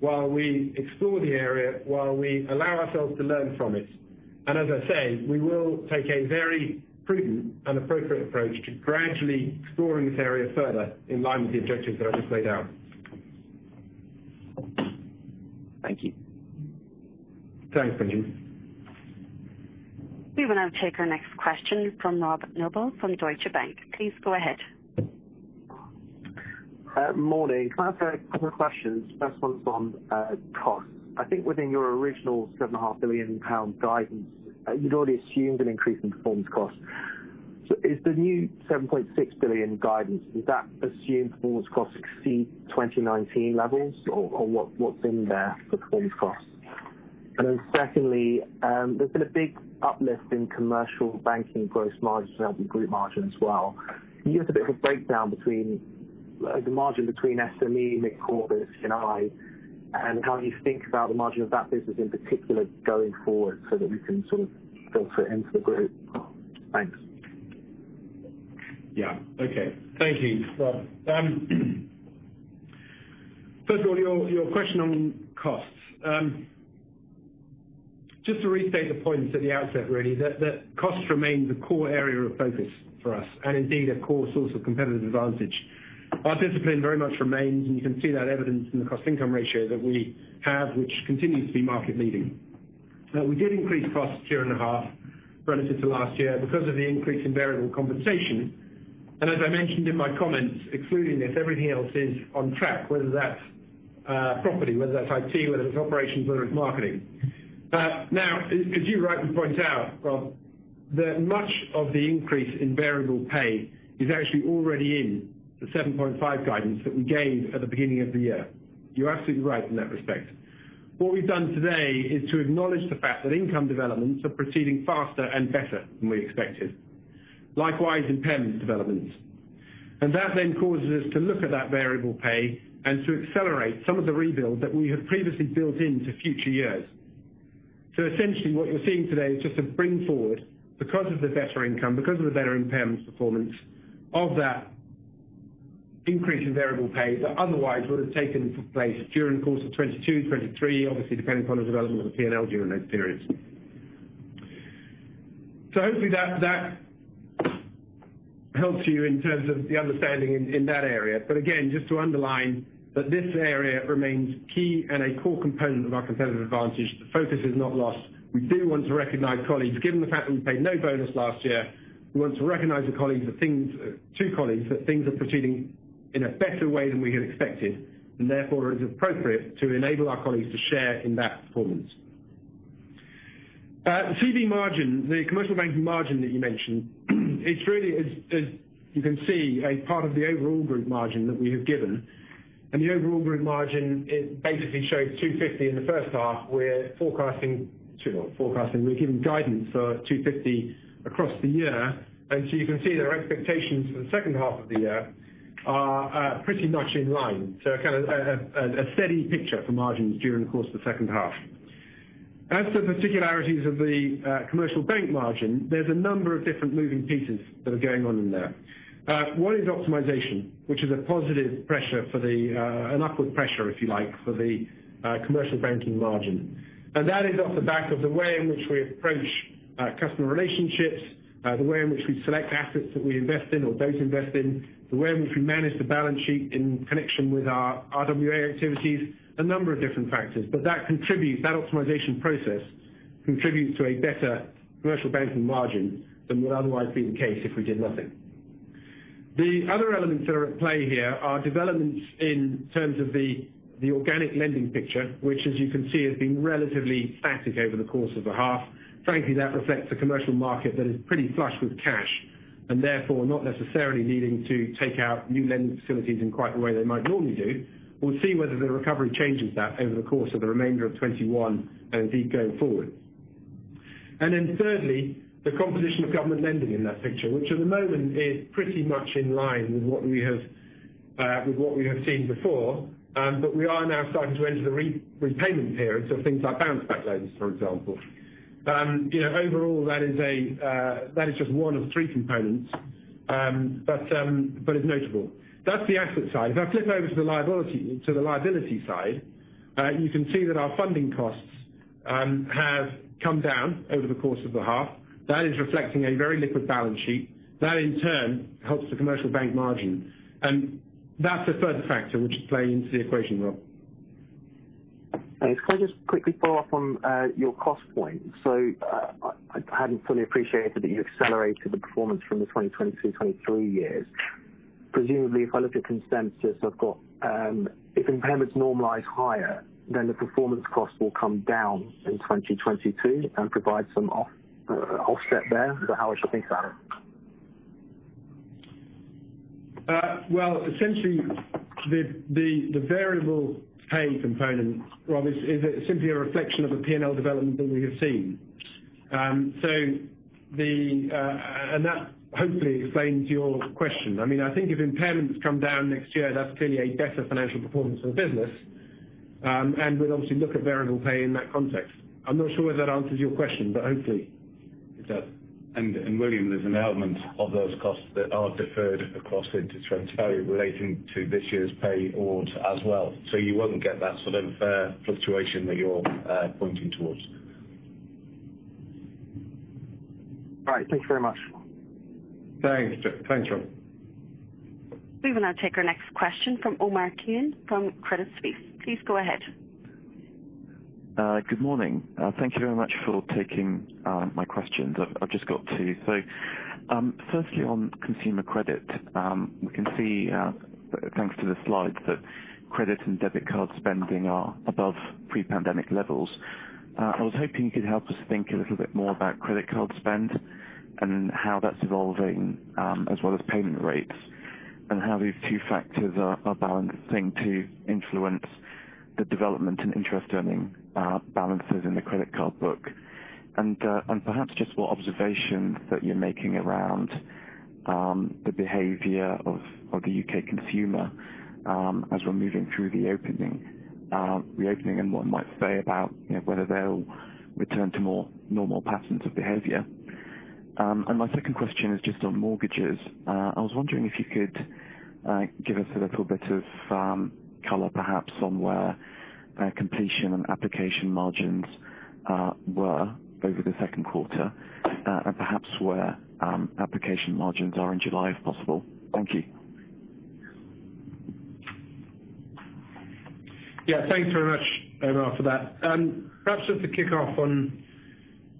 while we explore the area, while we allow ourselves to learn from it. As I say, we will take a very prudent and appropriate approach to gradually exploring this area further in line with the objectives that I just laid out. Thank you. Thanks, Benjamin. We will now take our next question from Robert Noble from Deutsche Bank. Please go ahead. Morning. Can I ask a couple of questions? First one's on costs. I think within your original 7.5 billion pound guidance, you'd already assumed an increase in performance cost. Is the new 7.6 billion guidance, does that assume performance costs exceed 2019 levels? What's in there for performance costs? Secondly, there's been a big uplift in commercial banking gross margin, and group margin as well. Can you give a bit of a breakdown between the margin between SME, Mid-Corporates, C&I, and how you think about the margin of that business in particular going forward so that we can sort of filter it into the group? Thanks. Okay. Thank you, Rob. First of all, your question on costs. Just to restate the point at the outset, really, that cost remains a core area of focus for us and indeed, a core source of competitive advantage. Our discipline very much remains. You can see that evidenced in the cost-income ratio that we have, which continues to be market leading. We did increase costs year and a half relative to last year because of the increase in variable compensation. As I mentioned in my comments, excluding this, everything else is on track, whether that's property, whether that's IT, whether it's operations, whether it's marketing. As you rightly point out, Rob, that much of the increase in variable pay is actually already in the 7.5 guidance that we gave at the beginning of the year. You're absolutely right in that respect. What we've done today is to acknowledge the fact that income developments are proceeding faster and better than we expected. Likewise, impairments developments. And that then causes us to look at that variable pay and to accelerate some of the rebuild that we had previously built into future years. Essentially, what you're seeing today is just a bring forward because of the better income, because of the better impairment performance of that increase in variable pay that otherwise would have taken place during the course of 2022, 2023, obviously depending upon the development of the P&L during those periods. Hopefully that helps you in terms of the understanding in that area. Again, just to underline that this area remains key and a core component of our competitive advantage. The focus is not lost. We do want to recognize colleagues. Given the fact that we paid no bonus last year, we want to recognize to colleagues that things are proceeding in a better way than we had expected, and therefore it is appropriate to enable our colleagues to share in that performance. The CB margin, the commercial banking margin that you mentioned, it's really as you can see, a part of the overall group margin that we have given. The overall group margin, it basically shows 250 in the first half. Sorry, not forecasting. We've given guidance for 250 across the year. You can see that our expectations for the second half of the year are pretty much in line. Kind of a steady picture for margins during the course of the second half. As to the particularities of the commercial bank margin, there's a number of different moving pieces that are going on in there. One is optimization, which is a positive pressure for the, an upward pressure if you like, for the commercial banking margin. That is off the back of the way in which we approach customer relationships, the way in which we select assets that we invest in or don't invest in, the way in which we manage the balance sheet in connection with our RWA activities, a number of different factors. That optimization process contributes to a better commercial banking margin than would otherwise be the case if we did nothing. The other elements that are at play here are developments in terms of the organic lending picture, which as you can see, has been relatively static over the course of the half. Frankly, that reflects a commercial market that is pretty flush with cash, therefore not necessarily needing to take out new lending facilities in quite the way they might normally do. We will see whether the recovery changes that over the course of the remainder of 2021 and indeed going forward. Thirdly, the composition of government lending in that picture, which at the moment is pretty much in line with what we have seen before. We are now starting to enter the repayment periods of things like Bounce Back Loans, for example. Overall, that is just one of three components, it's notable. That's the asset side. If I flip over to the liability side, you can see that our funding costs have come down over the course of the half. That is reflecting a very liquid balance sheet. That in turn helps the commercial bank margin. That's a further factor which is playing into the equation, Rob. Can I just quickly follow up on your cost point? I hadn't fully appreciated that you accelerated the performance from the 2022, 2023 years. Presumably, if I look at consensus, I've got, if impairments normalize higher, then the performance cost will come down in 2022 and provide some offset there. Is that how I should think about it? Well, essentially, the variable pay component, Rob, is simply a reflection of the P&L development that we have seen. That hopefully explains your question. I think if impairments come down next year, that's clearly a better financial performance for the business. We'd obviously look at variable pay in that context. I'm not sure whether that answers your question, but hopefully it does. William, there's an element of those costs that are deferred across into 2023 relating to this year's pay awards as well. You wouldn't get that sort of fluctuation that you're pointing towards. Right. Thank you very much. Thanks. Thanks, Rob. We will now take our next question from Omar Keenan from Credit Suisse. Please go ahead. Good morning. Thank you very much for taking my questions. I've just got two. Firstly, on consumer credit. We can see, thanks to the slides, that credit and debit card spending are above pre-pandemic levels. I was hoping you could help us think a little bit more about credit card spend and how that's evolving, as well as payment rates, and how these two factors are balancing to influence the development in interest earning balances in the credit card book. Perhaps just what observations that you're making around the behavior of the U.K. consumer as we're moving through the opening, and one might say about whether they'll return to more normal patterns of behavior. My second question is just on mortgages. I was wondering if you could give us a little bit of color, perhaps, on where completion and application margins were over the second quarter, and perhaps where application margins are in July, if possible. Thank you. Yeah. Thanks very much, Omar, for that. Perhaps just to kick off on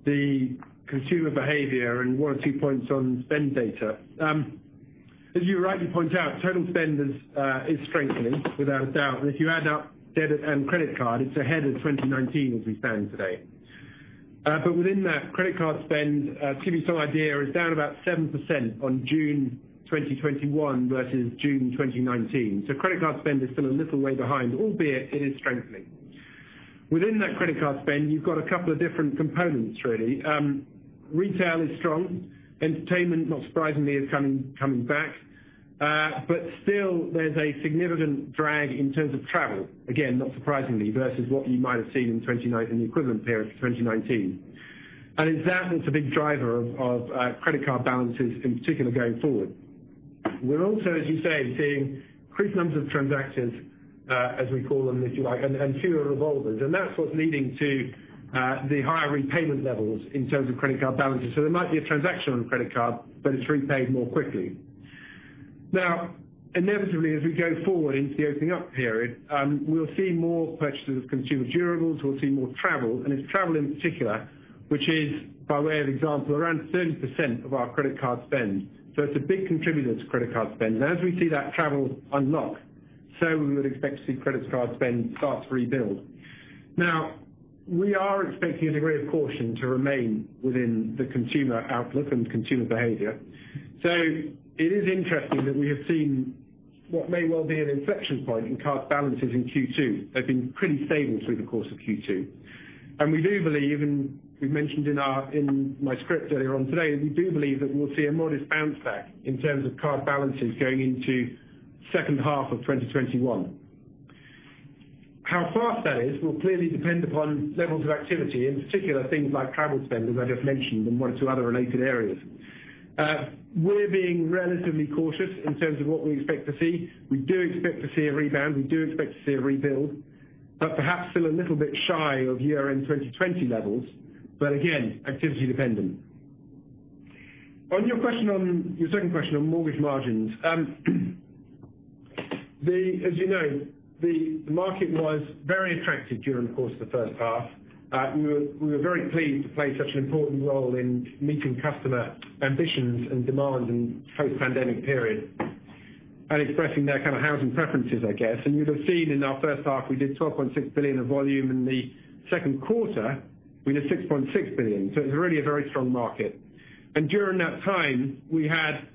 the consumer behavior and one or two points on spend data. As you rightly point out, total spend is strengthening, without a doubt. If you add up debit and credit card, it's ahead of 2019 as we stand today. Within that credit card spend, to give you some idea, is down about 7% on June 2021 versus June 2019. Credit card spend is still a little way behind, albeit it is strengthening. Within that credit card spend, you've got a couple of different components really. Retail is strong. Entertainment, not surprisingly, is coming back. Still there's a significant drag in terms of travel, again, not surprisingly, versus what you might have seen in the equivalent period for 2019. In that sense, a big driver of credit card balances in particular going forward. We're also, as you say, seeing increased numbers of transactions, as we call them, if you like, and fewer revolvers. That's what's leading to the higher repayment levels in terms of credit card balances. There might be a transaction on the credit card, but it's repaid more quickly. Inevitably, as we go forward into the opening up period, we'll see more purchases of consumer durables. We'll see more travel, and it's travel in particular, which is by way of example, around 30% of our credit card spend. It's a big contributor to credit card spend. As we see that travel unlock, we would expect to see credit card spend start to rebuild. We are expecting a degree of caution to remain within the consumer outlook and consumer behavior. It is interesting that we have seen what may well be an an inflection point in card balances in Q2. They've been pretty stable through the course of Q2. We do believe, and we've mentioned in my script earlier on today, we do believe that we'll see a modest bounce back in terms of card balances going into second half of 2021. How fast that is will clearly depend upon levels of activity, in particular, things like travel spend, as I just mentioned, and one or two other related areas. We're being relatively cautious in terms of what we expect to see. We do expect to see a rebound. We do expect to see a rebuild, but perhaps still a little bit shy of year-end 2020 levels, but again, activity dependent. On your second question on mortgage margins. As you know, the market was very attractive during the course of the first half. We were very pleased to play such an important role in meeting customer ambitions and demand in post-pandemic period, and expressing their kind of housing preferences, I guess. You'll have seen in our first half, we did 12.6 billion of volume. In the second quarter we did 6.6 billion. It was really a very strong market. During that time we had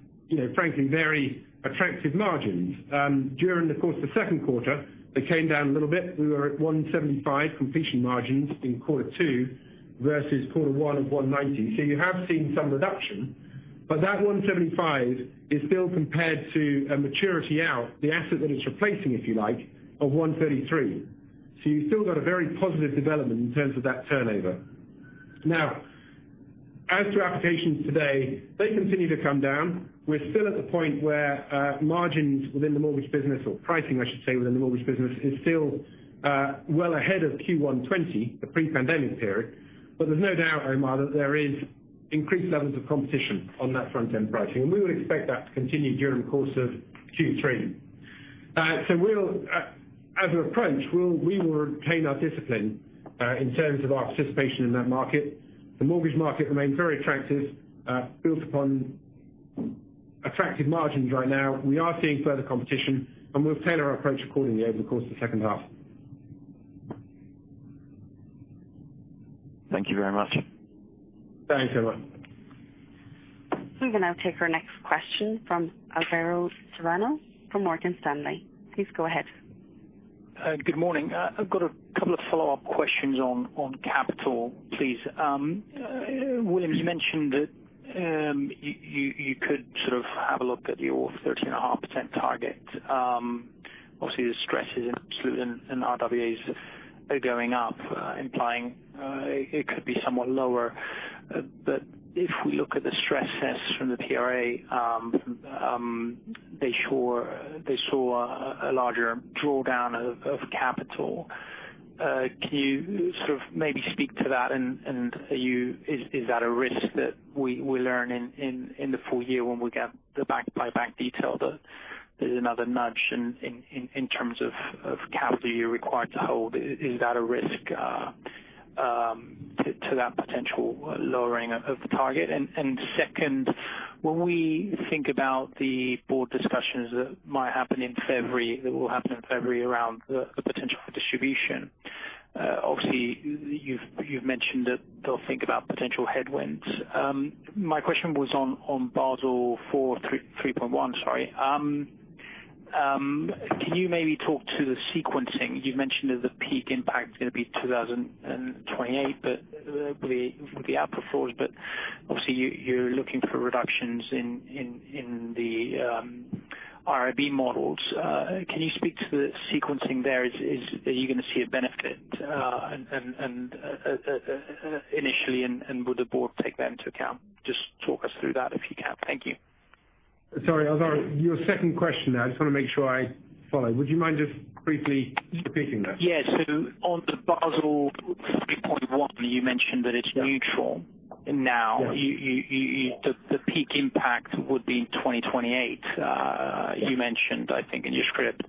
frankly very attractive margins. During the course of the second quarter, they came down a little bit. We were at 175 completion margins in quarter two versus quarter one of 190. You have seen some reduction. That 175 is still compared to a maturity out the asset that it's replacing, if you like, of 133. You've still got a very positive development in terms of that turnover. Now, as to applications today, they continue to come down. We're still at the point where margins within the mortgage business or pricing, I should say, within the mortgage business, is still well ahead of Q1 2020, the pre-pandemic period. There's no doubt, Omar, that there is increased levels of competition on that front-end pricing, and we would expect that to continue during the course of Q3. As an approach, we will retain our discipline, in terms of our participation in that market. The mortgage market remains very attractive, built upon attractive margins right now. We are seeing further competition, and we'll tailor our approach accordingly over the course of the second half. Thank you very much. Thanks, Omar. We will now take our next question from Alvaro Serrano from Morgan Stanley. Please go ahead. Good morning. I've got a couple of follow-up questions on capital, please. William, you mentioned that you could sort of have a look at your 13.5% target. The stresses in RWAs are going up, implying it could be somewhat lower. If we look at the stress tests from the PRA, they saw a larger drawdown of capital. Can you maybe speak to that, and is that a risk that we learn in the full year when we get the bank-by-bank detail, that there's another nudge in terms of capital you're required to hold? Is that a risk to that potential lowering of the target? Second, when we think about the board discussions that might happen in February, that will happen in February around the potential for distribution. You've mentioned that they'll think about potential headwinds. My question was on Basel 3.1. Can you maybe talk to the sequencing? You've mentioned that the peak impact is going to be 2028, but hopefully it would be outperformed, but obviously you're looking for reductions in the IRB models. Can you speak to the sequencing there? Are you going to see a benefit initially, and will the board take that into account? Just talk us through that if you can. Thank you. Sorry, Alvaro, your second question there. I just want to make sure I follow. Would you mind just briefly repeating that? Yeah. On the Basel 3.1, you mentioned that it's neutral now. Yeah. The peak impact would be in 2028, you mentioned, I think, in your script.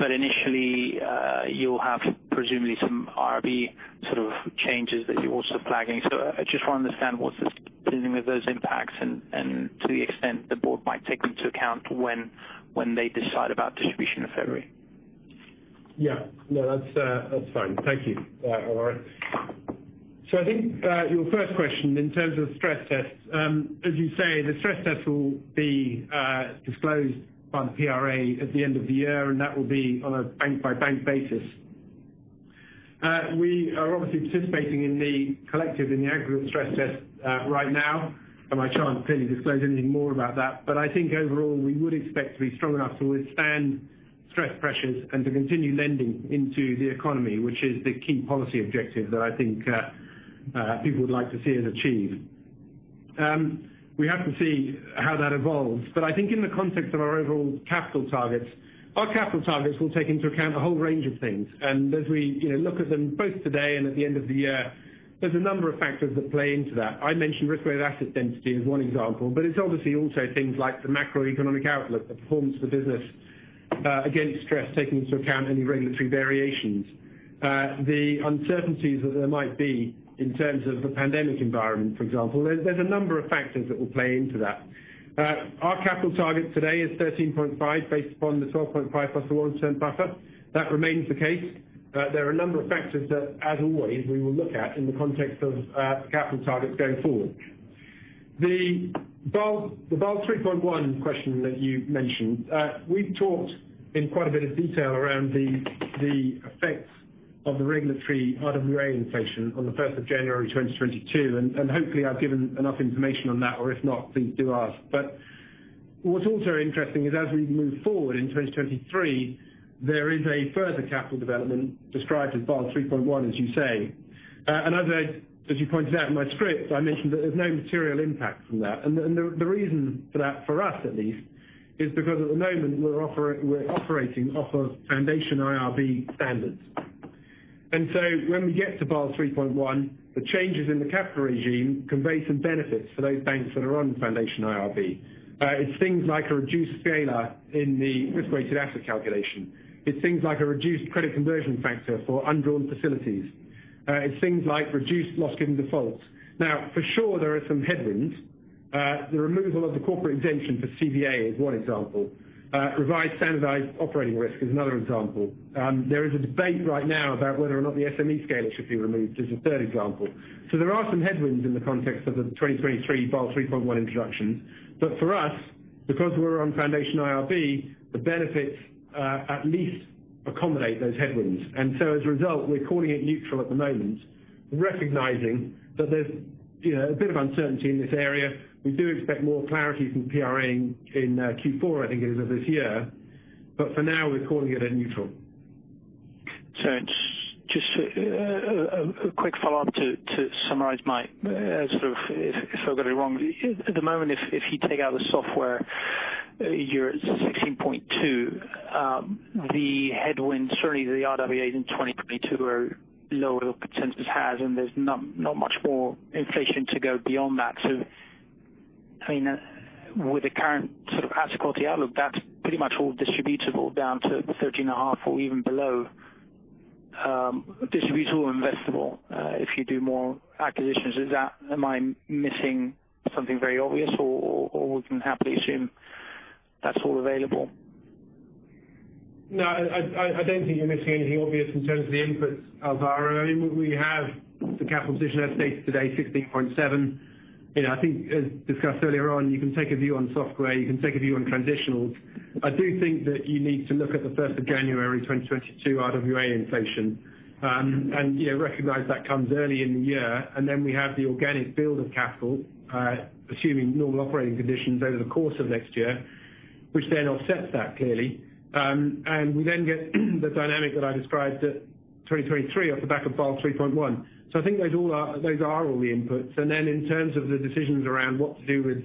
Initially, you'll have presumably some IRB changes that you're also flagging. I just want to understand what's the with those impacts, and to the extent the board might take into account when they decide about distribution in February? Yeah. No, that's fine. Thank you, Alvaro. I think, your first question in terms of stress tests. As you say, the stress test will be disclosed by the PRA at the end of the year, and that will be on a bank-by-bank basis. We are obviously participating in the collective, in the aggregate stress test right now, and I can't clearly disclose anything more about that. I think overall, we would expect to be strong enough to withstand stress pressures and to continue lending into the economy, which is the key policy objective that I think people would like to see us achieve. We have to see how that evolves. I think in the context of our overall capital targets, our capital targets will take into account a whole range of things. As we look at them both today and at the end of the year, there's a number of factors that play into that. I mentioned risk-weighted asset density as 1 example, it's obviously also things like the macroeconomic outlook, the performance of the business against stress, taking into account any regulatory variations. The uncertainties that there might be in terms of the pandemic environment, for example. There's a number of factors that will play into that. Our capital target today is 13.5 based upon the 12.5 plus the one cent buffer. That remains the case. There are a number of factors that, as always, we will look at in the context of capital targets going forward. The Basel 3.1 question that you mentioned. We've talked in quite a bit of detail around the effects of the regulatory RWA inflation on the 1st of January 2022. Hopefully I've given enough information on that, or if not, please do ask. What's also interesting is as we move forward into 2023, there is a further capital development described as Basel 3.1, as you say. As you pointed out in my script, I mentioned that there's no material impact from that. The reason for that, for us at least, is because at the moment we're operating off of Foundation IRB standards. When we get to Basel 3.1, the changes in the capital regime convey some benefits for those banks that are on Foundation IRB. It's things like a reduced scalar in the risk-weighted asset calculation. It's things like a reduced credit conversion factor for undrawn facilities. It's things like reduced loss given defaults. For sure, there are some headwinds. The removal of the corporate exemption for CVA is one example. Revised standardized operating risk is another example. There is a debate right now about whether or not the SME scalar should be removed is a third example. There are some headwinds in the context of the 2023 Basel 3.1 introduction. For us, because we're on Foundation IRB, the benefits at least accommodate those headwinds. As a result, we're calling it neutral at the moment, recognizing that there's a bit of uncertainty in this area. We do expect more clarity from PRA in Q4, I think it is, of this year. For now, we're calling it a neutral. Just a quick follow-up to summarize if I've got it wrong. At the moment, if you take out the software, you're at 16.2%. The headwinds, certainly the RWAs in 2022 are lower than consensus has, and there's not much more inflation to go beyond that. With the current asset quality outlook, that's pretty much all distributable down to 13.5% or even below. Distributable or investable, if you do more acquisitions. Am I missing something very obvious, or we can happily assume that's all available? No, I don't think you're missing anything obvious in terms of the inputs, Alvaro. I mean, we have the capital position as stated today, 16.7. I think as discussed earlier on, you can take a view on software, you can take a view on transitionals. I do think that you need to look at the 1st of January 2022 RWA inflation, and recognize that comes early in the year. Then we have the organic build of capital, assuming normal operating conditions over the course of next year, which then offsets that, clearly. We then get the dynamic that I described at 2023 off the back of Basel 3.1. I think those are all the inputs. In terms of the decisions around what to do with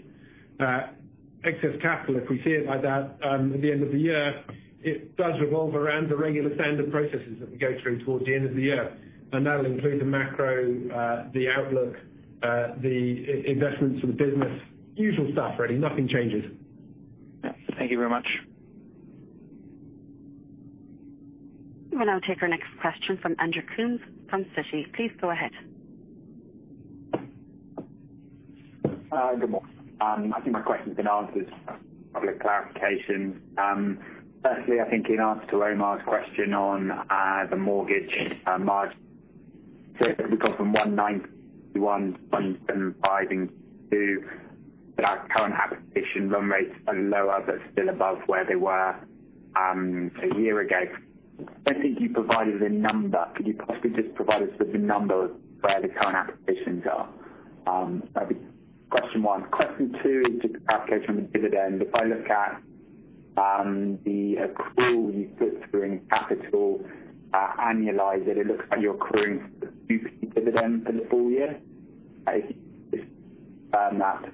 excess capital, if we see it like that at the end of the year, it does revolve around the regular standard processes that we go through towards the end of the year. That'll include the macro, the outlook, the investments in the business. Usual stuff, really. Nothing changes. Yeah. Thank you very much. We will now take our next question from Andrew Coombs from Citi. Please go ahead. Hi, good morning. I think my question's been answered, just public clarification. Firstly, I think in answer to Omar's question on the mortgage margin, we've gone from 1.9-1.175 in Q2, but our current application run rates are lower, but still above where they were a year ago. I don't think you provided a number. Could you possibly just provide us with the number of where the current applications are? That'd be question one. Question two is just a clarification on dividend. If I look at the accrual you put through in capital, annualize it looks like you're accruing dividend for the full year. If you could just confirm that.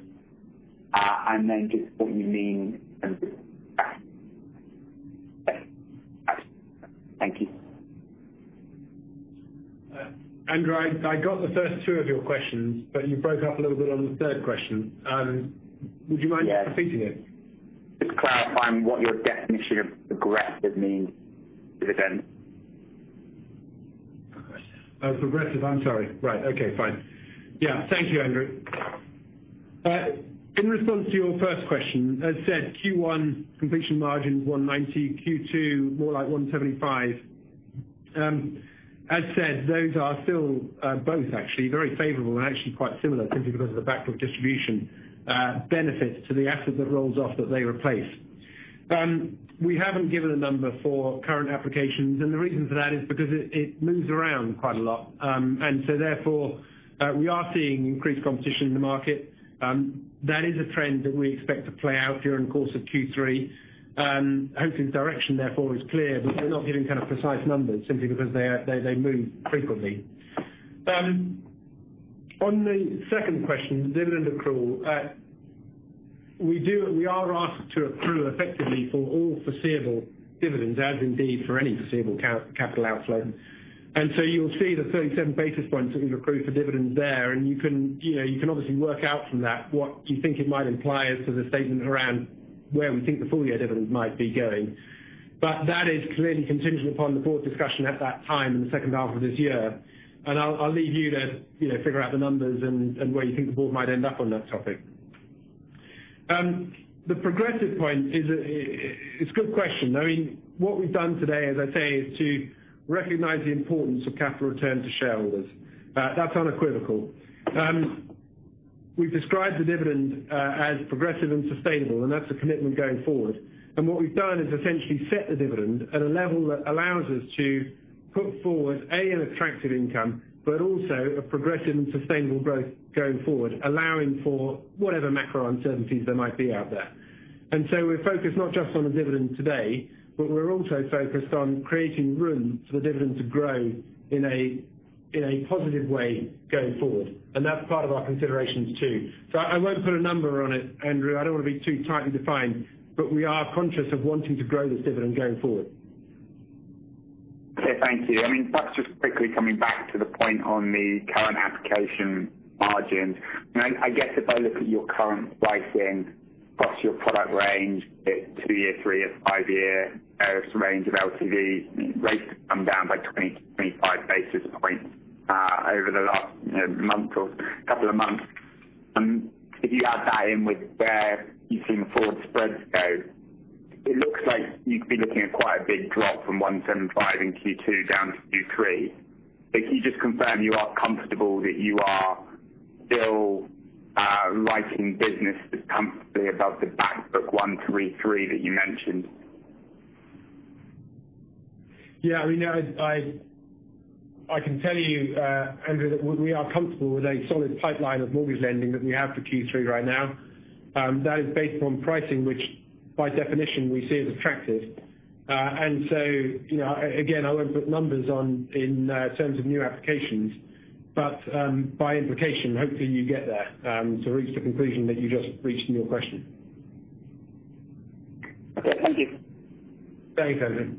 Thank you. Andrew, I got the first two of your questions, but you broke up a little bit on the third question. Would you mind? Yeah. Repeating it? Just clarifying what your definition of progressive means to the end. Oh, progressive. I'm sorry. Right. Okay, fine. Yeah. Thank you, Andrew. In response to your first question, as said, Q1 completion margin 190, Q2 more like 175. As said, those are still both actually very favorable and actually quite similar, simply because of the back of distribution benefits to the asset that rolls off that they replace. We haven't given a number for current applications, and the reason for that is because it moves around quite a lot. Therefore, we are seeing increased competition in the market. That is a trend that we expect to play out during the course of Q3. Hopefully, the direction therefore is clear, but we're not giving kind of precise numbers simply because they move frequently. On the second question, dividend accrual. We are asked to accrue effectively for all foreseeable dividends, as indeed for any foreseeable capital outflow. You'll see the 37 basis points that we've accrued for dividends there. You can obviously work out from that what you think it might imply as to the statement around where we think the full-year dividend might be going. That is clearly contingent upon the board's discussion at that time in the second half of this year. I'll leave you to figure out the numbers and where you think the board might end up on that topic. The progressive point is a good question. What we've done today, as I say, is to recognize the importance of capital return to shareholders. That's unequivocal. We've described the dividend as progressive and sustainable, and that's a commitment going forward. What we've done is essentially set the dividend at a level that allows us to put forward, A, an attractive income, but also a progressive and sustainable growth going forward, allowing for whatever macro uncertainties there might be out there. We're focused not just on the dividend today, but we're also focused on creating room for the dividend to grow in a positive way going forward. That's part of our considerations too. I won't put a number on it, Andrew. I don't want to be too tightly defined, but we are conscious of wanting to grow this dividend going forward. Okay. Thank you. That's just quickly coming back to the point on the current application margins. I guess if I look at your current pricing across your product range, be it two-year, three-year, five-year range of LTV rates have come down by 20-25 basis points over the last month or couple of months. If you add that in with where you've seen the forward spreads go, it looks like you'd be looking at quite a big drop from 175 in Q2 down to Q3. Can you just confirm you are comfortable that you are still writing business that's comfortably above the back book 133 that you mentioned? I can tell you, Andrew, that we are comfortable with a solid pipeline of mortgage lending that we have for Q3 right now. That is based on pricing, which by definition we see as attractive. Again, I won't put numbers on in terms of new applications, but by implication, hopefully you get there to reach the conclusion that you just reached in your question. Okay. Thank you. Thanks, Andrew.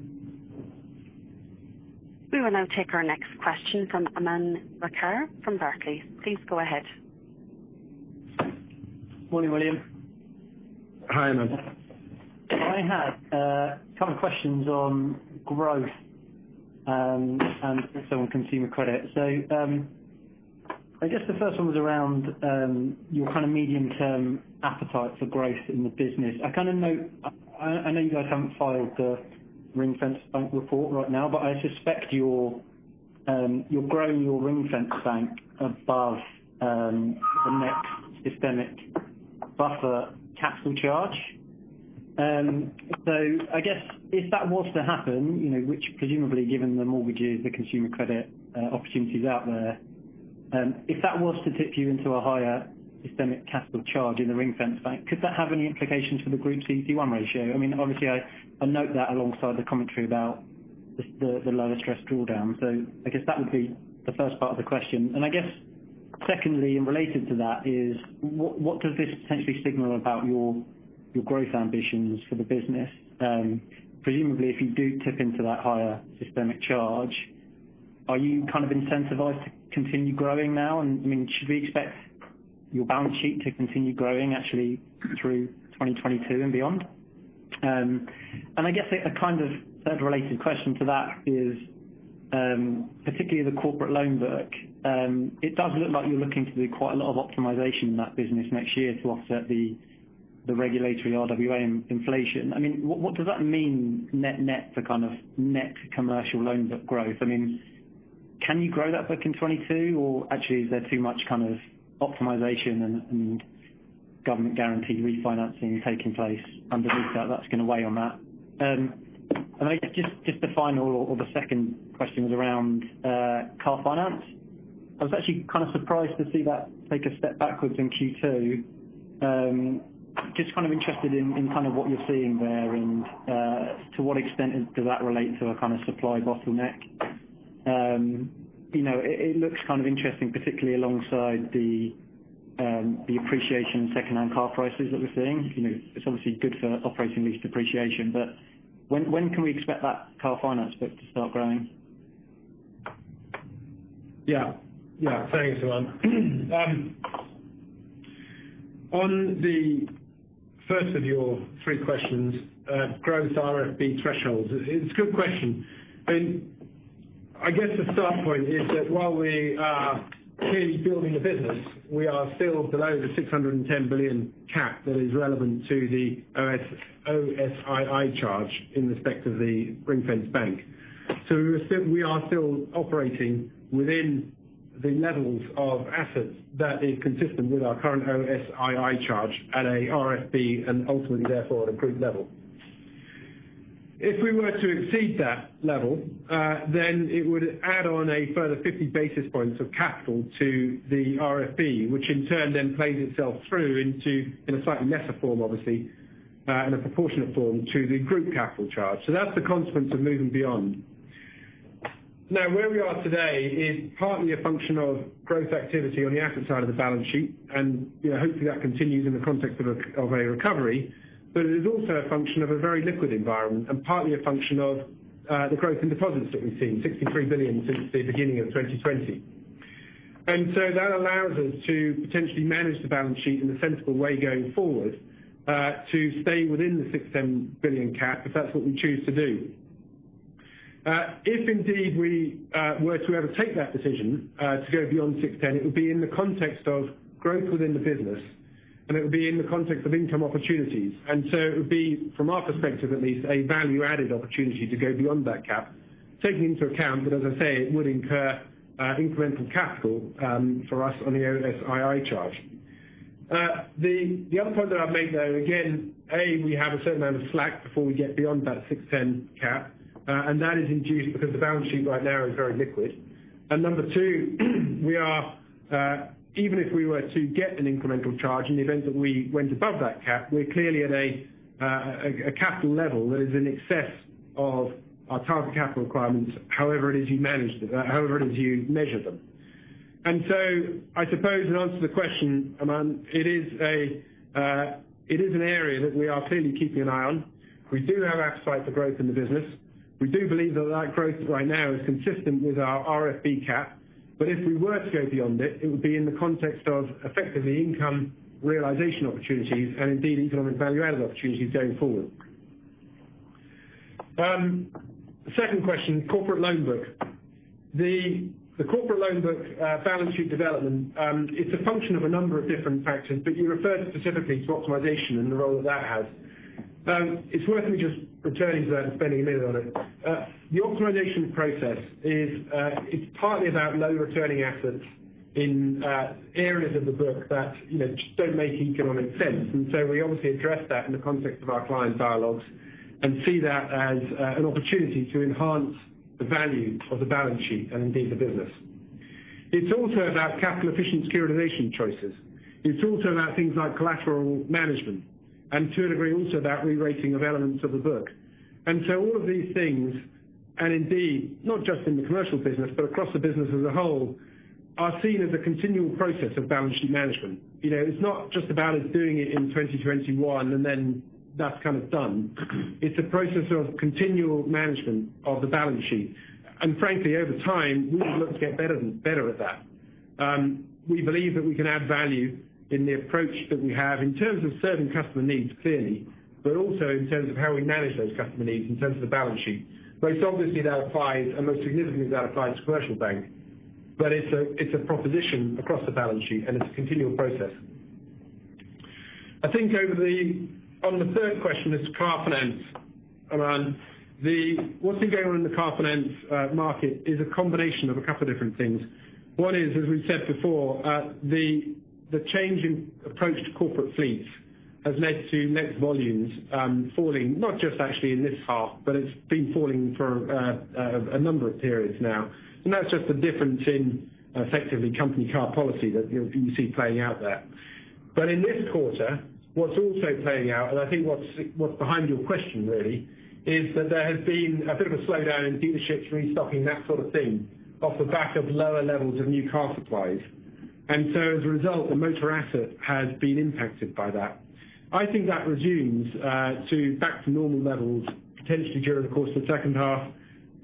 We will now take our next question from Aman Rakkar from Barclays. Please go ahead. Morning, William. Hi, Aman. I had a couple of questions on growth, and also on consumer credit. I guess the first one was around your kind of medium-term appetite for growth in the business. I know you guys haven't filed the Ring-Fence bank report right now, but I suspect you're growing your Ring-Fence bank above the next systemic buffer capital charge. I guess if that was to happen, which presumably given the mortgages, the consumer credit opportunities out there, if that was to tip you into a higher systemic capital charge in the Ring-Fence bank, could that have any implications for the Group CET1 ratio? Obviously, I note that alongside the commentary about the lower stress drawdown. I guess that would be the first part of the question. I guess, secondly, and related to that is, what does this potentially signal about your growth ambitions for the business? Presumably, if you do tip into that higher systemic charge, are you incentivized to continue growing now? Should we expect your balance sheet to continue growing actually through 2022 and beyond? I guess a kind of third related question to that is, particularly the corporate loan book. It does look like you're looking to do quite a lot of optimization in that business next year to offset the regulatory RWA inflation. What does that mean net net for kind of net commercial loans book growth? Can you grow that book in 2022 or actually is there too much kind of optimization and government guarantee refinancing taking place underneath that's going to weigh on that? I guess just the final or the second question was around car finance. I was actually kind of surprised to see that take a step backwards in Q2. Just kind of interested in what you're seeing there, and to what extent does that relate to a kind of supply bottleneck. It looks kind of interesting, particularly alongside the appreciation of secondhand car prices that we're seeing. It's obviously good for operating lease depreciation, but when can we expect that car finance book to start growing? Thanks, Aman. On the 1st of your three questions, growth RFB thresholds. It's a good question. I guess the start point is that while we are clearly building the business, we are still below the 610 billion cap that is relevant to the OSII charge in respect of the ring-fence bank. We are still operating within the levels of assets that is consistent with our current OSII charge at a RFB, and ultimately therefore at a group level. If we were to exceed that level, it would add on a further 50 basis points of capital to the RFB, which in turn plays itself through into, in a slightly lesser form obviously, in a proportionate form to the group capital charge. That's the consequence of moving beyond. Where we are today is partly a function of growth activity on the asset side of the balance sheet, and hopefully that continues in the context of a recovery. It is also a function of a very liquid environment and partly a function of the growth in deposits that we've seen, 63 billion since the beginning of 2020. That allows us to potentially manage the balance sheet in a sensible way going forward, to stay within the 610 billion cap if that's what we choose to do. If indeed we were to ever take that decision, to go beyond 610 billion, it would be in the context of growth within the business, and it would be in the context of income opportunities. It would be, from our perspective at least, a value-added opportunity to go beyond that cap, taking into account that as I say, it would incur incremental capital for us on the OSII charge. The other point that I'd make, though, again, A, we have a certain amount of slack before we get beyond that 610 cap. That is induced because the balance sheet right now is very liquid. Number two, even if we were to get an incremental charge in the event that we went above that cap, we're clearly at a capital level that is in excess of our target capital requirements, however it is you measure them. I suppose in answer to the question, Aman, it is an area that we are clearly keeping an eye on. We do have appetite for growth in the business. We do believe that growth right now is consistent with our RFB cap. If we were to go beyond it would be in the context of effectively income realization opportunities and indeed economic value-added opportunities going forward. The second question, corporate loan book. The corporate loan book balance sheet development, it's a function of a number of different factors, but you referred specifically to optimization and the role that that has. It's worth me just returning to that and spending a minute on it. The optimization process is partly about low returning assets in areas of the book that just don't make economic sense. We obviously address that in the context of our client dialogues and see that as an opportunity to enhance the value of the balance sheet and indeed the business. It's also about capital efficient securitization choices. It's also about things like collateral management, and to a degree also about re-rating of elements of the book. All of these things, and indeed not just in the commercial business, but across the business as a whole, are seen as a continual process of balance sheet management. It's not just about us doing it in 2021 and then that's kind of done. It's a process of continual management of the balance sheet. Frankly, over time, we look to get better and better at that. We believe that we can add value in the approach that we have in terms of serving customer needs, clearly. Also in terms of how we manage those customer needs in terms of the balance sheet. Most obviously that applies, and most significantly that applies to commercial bank. It's a proposition across the balance sheet, and it's a continual process. I think on the third question is car finance. Aman, what's been going on in the car finance market is a combination of a couple of different things. One is, as we've said before, the change in approach to corporate fleets has led to net volumes falling, not just actually in this half, but it's been falling for a number of periods now. That's just a difference in effectively company car policy that you see playing out there. In this quarter, what's also playing out, and I think what's behind your question really, is that there has been a bit of a slowdown in dealerships restocking, that sort of thing, off the back of lower levels of new car supplies. As a result, the motor asset has been impacted by that. I think that resumes back to normal levels potentially during the course of the 2nd half,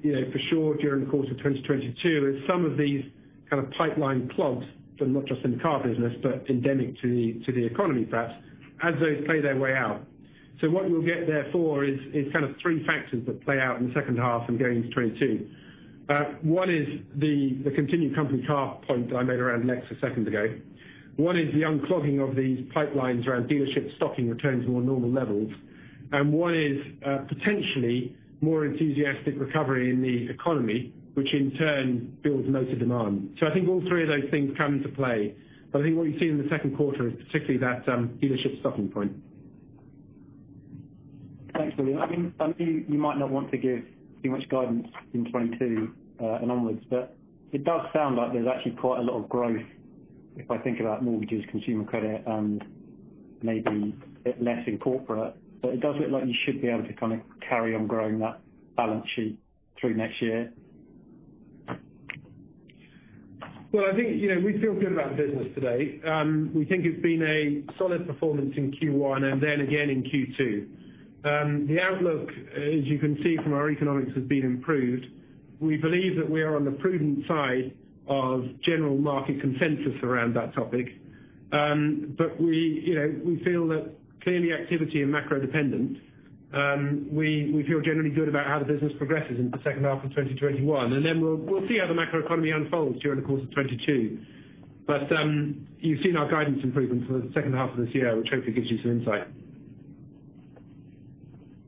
for sure during the course of 2022, as some of these kind of pipeline clogs, not just in the car business, but endemic to the economy, perhaps, as those play their way out. What you'll get therefore is kind of three factors that play out in the 2nd half and going into 2022. 1 is the continued company car point that I made around Lex a 2nd ago. One is the unclogging of these pipelines around dealership stocking returning to more normal levels. One is potentially more enthusiastic recovery in the economy, which in turn builds motor demand. I think all three of those things come into play. I think what you've seen in the 2nd quarter is particularly that dealership stocking point. Thanks, William Chalmers. I know you might not want to give too much guidance in 2022 and onwards, but it does sound like there's actually quite a lot of growth, if I think about mortgages, consumer credit, and maybe a bit less in corporate. It does look like you should be able to kind of carry on growing that balance sheet through next year. Well, I think we feel good about the business today. We think it's been a solid performance in Q1 and then again in Q2. The outlook, as you can see from our economics, has been improved. We believe that we are on the prudent side of general market consensus around that topic. We feel that clearly activity is macro-dependent. We feel generally good about how the business progresses into the second half of 2021. We'll see how the macroeconomy unfolds during the course of 2022. You've seen our guidance improvements for the second half of this year, which hopefully gives you some insight.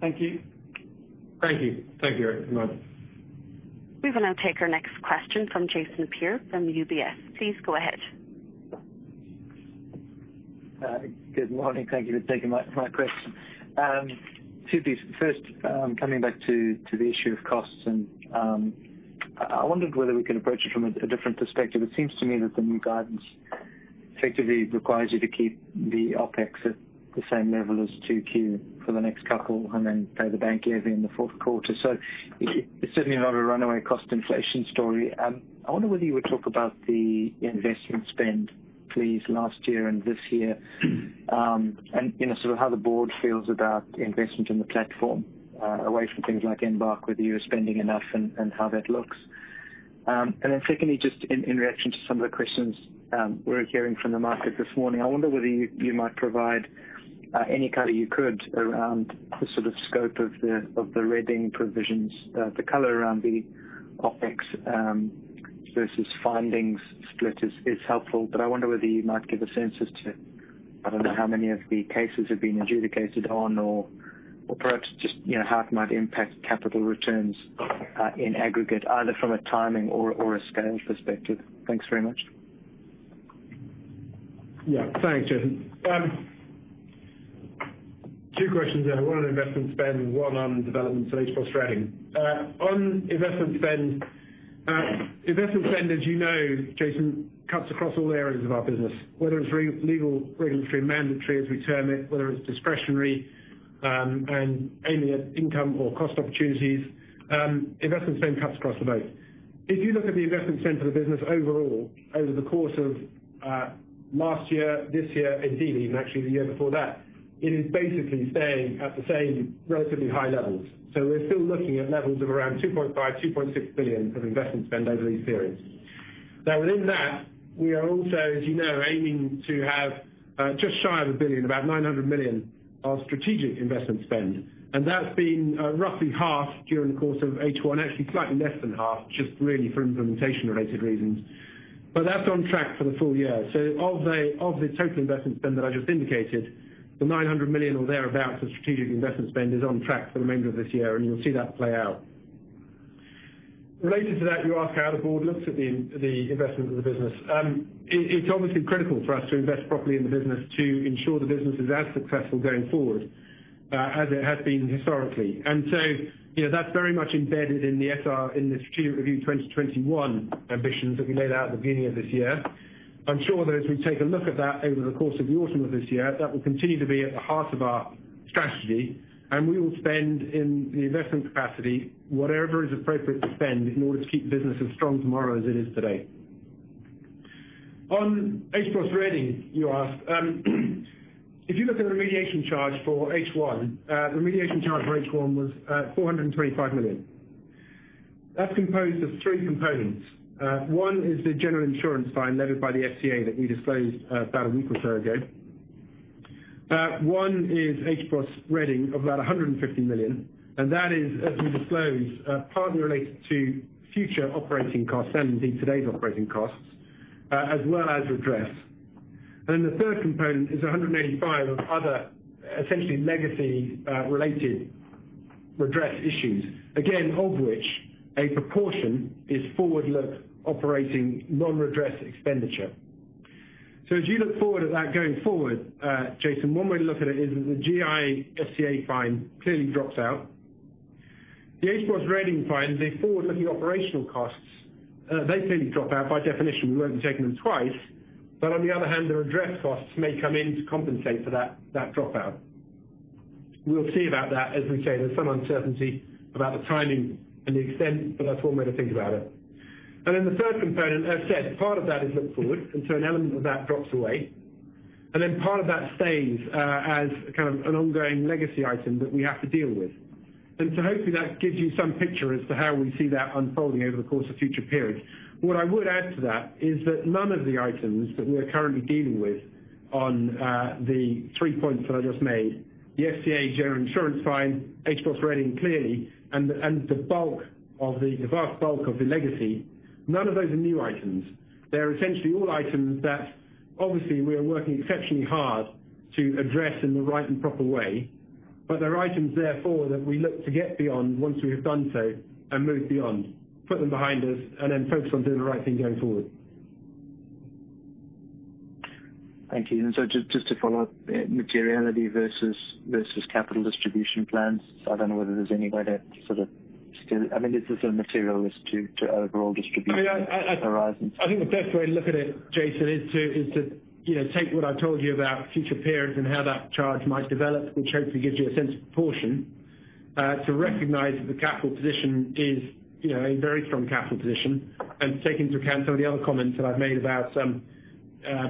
Thank you. Thank you. Thank you very much. We will now take our next question from Jason Napier from UBS. Please go ahead. Good morning. Thank you for taking my question. Two things. First, coming back to the issue of costs. I wondered whether we could approach it from a different perspective. It seems to me that the new guidance effectively requires you to keep the OpEx at the same level as 2Q for the next couple, and then pay the bank levy in the fourth quarter. It's certainly not a runaway cost inflation story. I wonder whether you would talk about the investment spend, please, last year and this year. Sort of how the board feels about investment in the platform away from things like Embark, whether you are spending enough and how that looks. Secondly, just in reaction to some of the questions we're hearing from the market this morning. I wonder whether you might provide any color you could around the sort of scope of the HBOS Reading provisions. The color around the OpEx versus findings split is helpful, but I wonder whether you might give a sense as to, I don't know, how many of the cases have been adjudicated on or perhaps just how it might impact capital returns in aggregate, either from a timing or a scale perspective. Thanks very much. Yeah. Thanks, Jason. Two questions there. One on investment spend, one on developments on HBOS Reading. On investment spend. Investment spend, as you know, Jason, cuts across all areas of our business. Whether it's legal, regulatory, and mandatory, as we term it, whether it's discretionary, and aiming at income or cost opportunities. Investment spend cuts across the board. If you look at the investment spend for the business overall over the course of last year, this year, indeed even actually the year before that, it is basically staying at the same relatively high levels. We're still looking at levels of around 2.5 billion-2.6 billion of investment spend over these periods. Within that, we are also, as you know, aiming to have just shy of 1 billion, about 900 million of strategic investment spend. That's been roughly half during the course of H1, actually slightly less than half, just really for implementation-related reasons. That's on track for the full year. Of the total investment spend that I just indicated, the 900 million or thereabouts of strategic investment spend is on track for the remainder of this year, and you'll see that play out. Related to that, you ask how the board looks at the investment of the business. It's obviously critical for us to invest properly in the business to ensure the business is as successful going forward as it has been historically. That's very much embedded in the SR, in the Strategic Review 2021 ambitions that we laid out at the beginning of this year. I'm sure that as we take a look at that over the course of the autumn of this year, that will continue to be at the heart of our strategy, and we will spend in the investment capacity whatever is appropriate to spend in order to keep the business as strong tomorrow as it is today. On HBOS Reading, you asked. If you look at the remediation charge for H1, the remediation charge for H1 was 425 million. That's composed of three components. One is the general insurance fine levied by the FCA that we disclosed about a week or so ago. One is HBOS Reading of about 150 million, and that is, as we disclosed, partly related to future operating costs and indeed today's operating costs, as well as redress. Then the third component is 185 of other, essentially legacy-related redress issues. Again, of which a proportion is forward-look operating non-redress expenditure. As you look forward at that going forward, Jason, one way to look at it is that the GI FCA fine clearly drops out. The HBOS Reading fine is a forward-looking operational costs. They clearly drop out by definition. We won't be taking them twice. On the other hand, their redress costs may come in to compensate for that dropout. We'll see about that. As we say, there's some uncertainty about the timing and the extent, but that's one way to think about it. The third component, as I said, part of that is look forward, an element of that drops away, part of that stays as kind of an ongoing legacy item that we have to deal with. Hopefully that gives you some picture as to how we see that unfolding over the course of future periods. What I would add to that is that none of the items that we are currently dealing with on the three points that I just made, the FCA general insurance fine, HBOS Reading clearly, and the vast bulk of the legacy. None of those are new items. They're essentially all items that obviously we are working exceptionally hard to address in the right and proper way. They're items, therefore, that we look to get beyond once we have done so, and move beyond, put them behind us, and then focus on doing the right thing going forward. Thank you. Just to follow up, materiality versus capital distribution plans. I don't know whether there's any way to sort of scale. I mean, is this a material risk to overall distribution horizons? I think the best way to look at it, Jason, is to take what I told you about future periods and how that charge might develop, which hopefully gives you a sense of proportion. To recognize that the capital position is a very strong capital position, and take into account some of the other comments that I've made about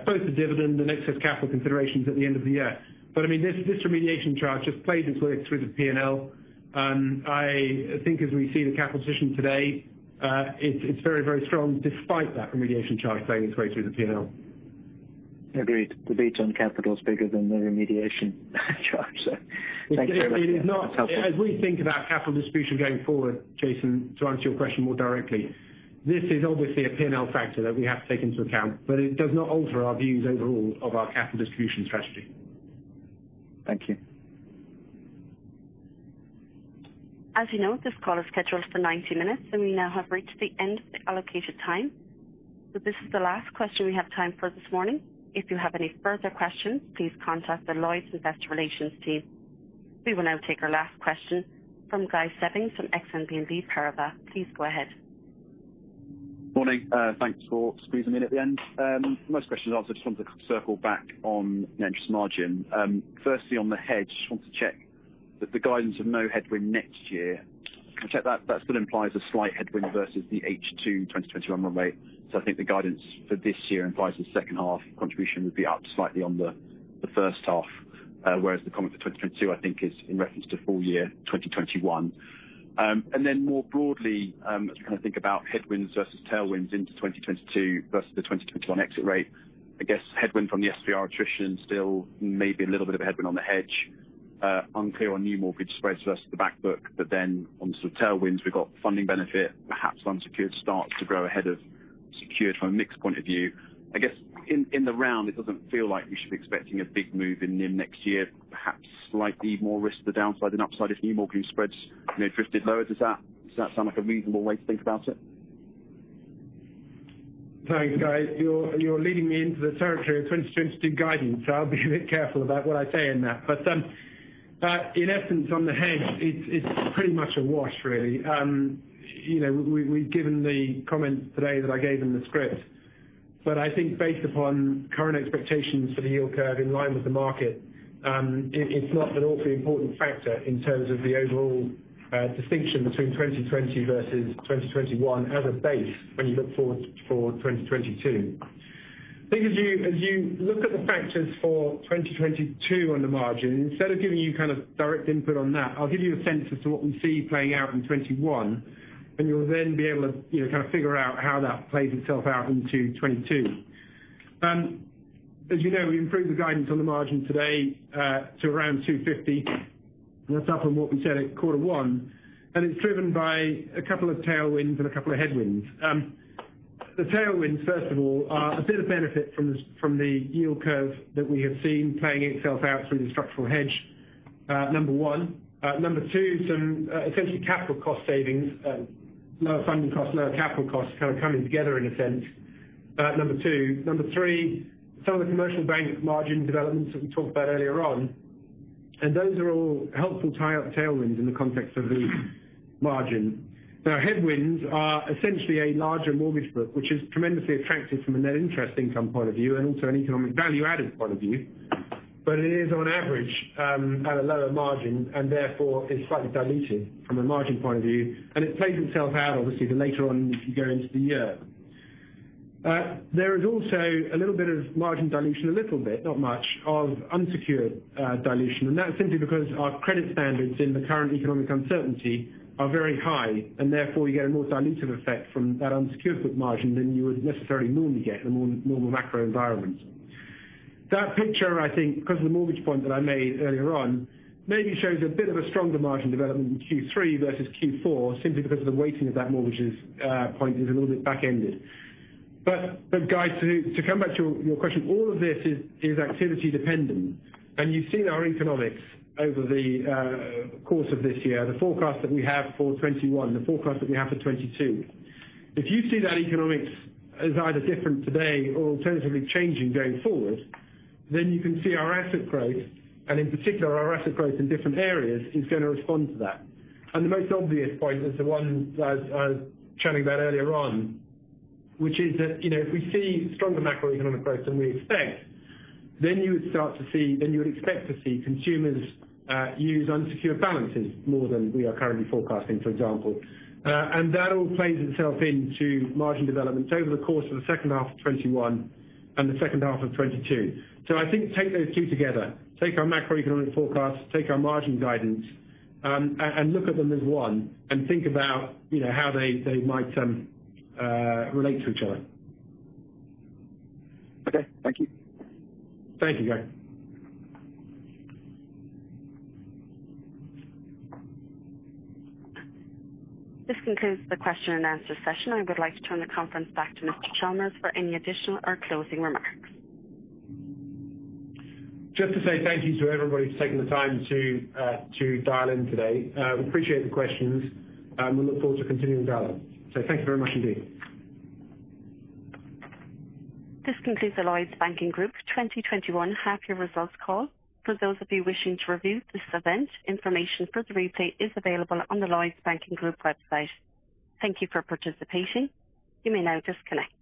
both the dividend and excess capital considerations at the end of the year. But this remediation charge has played its way through the P&L. I think as we see the capital position today, it's very, very strong despite that remediation charge playing its way through the P&L. Agreed. Debate on capital is bigger than the remediation charge. Thanks very much. That's helpful. As we think about capital distribution going forward, Jason, to answer your question more directly, this is obviously a P&L factor that we have to take into account, but it does not alter our views overall of our capital distribution strategy. Thank you. As you know, this call is scheduled for 90 minutes, and we now have reached the end of the allocated time. This is the last question we have time for this morning. If you have any further questions, please contact the Lloyds Investor Relations team. We will now take our last question from Guy Stebbings from Exane BNP Paribas. Please go ahead. Morning. Thanks for squeezing me in at the end. Most questions are answered. I just wanted to circle back on net interest margin. Firstly, on the hedge. Just want to check that the guidance of no headwind next year. I checked that still implies a slight headwind versus the H2 2021 run rate. I think the guidance for this year implies the second half contribution would be up slightly on the first half. The comment for 2022, I think, is in reference to full year 2021. More broadly, as we kind of think about headwinds versus tailwinds into 2022 versus the 2021 exit rate, I guess headwind from the SVR attrition still may be a little bit of a headwind on the hedge. Unclear on new mortgage spreads versus the back book. On sort of tailwinds, we've got funding benefit. Perhaps unsecured starts to grow ahead of secured from a mix point of view. I guess in the round, it doesn't feel like we should be expecting a big move in NIM next year. Perhaps slightly more risk to the downside than upside if new mortgage spreads drifted lower. Does that sound like a reasonable way to think about it? Thanks, Guy. You're leading me into the territory of 2022 guidance. I'll be a bit careful about what I say in that. In essence, on the hedge, it's pretty much a wash really. We've given the comment today that I gave in the script. I think based upon current expectations for the yield curve in line with the market, it's not an awfully important factor in terms of the overall distinction between 2020 versus 2021 as a base when you look forward for 2022. I think as you look at the factors for 2022 on the margin, instead of giving you kind of direct input on that, I'll give you a sense as to what we see playing out in 2021. You'll then be able to kind of figure out how that plays itself out into 2022. As you know, we improved the guidance on the margin today to around 250. That's up from what we said at quarter one. It's driven by a couple of tailwinds and a couple of headwinds. The tailwinds, first of all, are a bit of benefit from the yield curve that we have seen playing itself out through the structural hedge. Number one. Number two, some essentially capital cost savings. Lower funding costs, lower capital costs kind of coming together in a sense. Number two. Number three, some of the commercial bank margin developments that we talked about earlier on. Those are all helpful tailwinds in the context of the margin. Now headwinds are essentially a larger mortgage book, which is tremendously attractive from a net interest income point of view and also an economic value added point of view. It is on average at a lower margin and therefore is slightly dilutive from a margin point of view. It plays itself out obviously the later on you go into the year. There is also a little bit of margin dilution, a little bit, not much, of unsecured dilution. That's simply because our credit standards in the current economic uncertainty are very high. Therefore you get a more dilutive effect from that unsecured book margin than you would necessarily normally get in a more normal macro environment. That picture I think, because of the mortgage point that I made earlier on, maybe shows a bit of a stronger margin development in Q3 versus Q4 simply because of the weighting of that mortgages point is a little bit backended. Guy, to come back to your question, all of this is activity dependent. You've seen our economics over the course of this year, the forecast that we have for 2021, the forecast that we have for 2022. If you see that economics as either different today or alternatively changing going forward, then you can see our asset growth, and in particular our asset growth in different areas is going to respond to that. The most obvious point is the one that I was chatting about earlier on. Which is that if we see stronger macroeconomic growth than we expect, then you would expect to see consumers use unsecured balances more than we are currently forecasting, for example. That all plays itself into margin development over the course of the second half of 2021 and the second half of 2022. I think take those two together. Take our macroeconomic forecast, take our margin guidance, and look at them as one. Think about how they might relate to each other. Okay. Thank you. Thank you, Guy. This concludes the question and answer session. I would like to turn the conference back to Mr. Chalmers for any additional or closing remarks. Just to say thank you to everybody for taking the time to dial in today. We appreciate the questions, and we look forward to continuing dialogue. Thank you very much indeed. This concludes the Lloyds Banking Group 2021 half year results call. For those of you wishing to review this event, information for the replay is available on the Lloyds Banking Group website. Thank you for participating. You may now disconnect.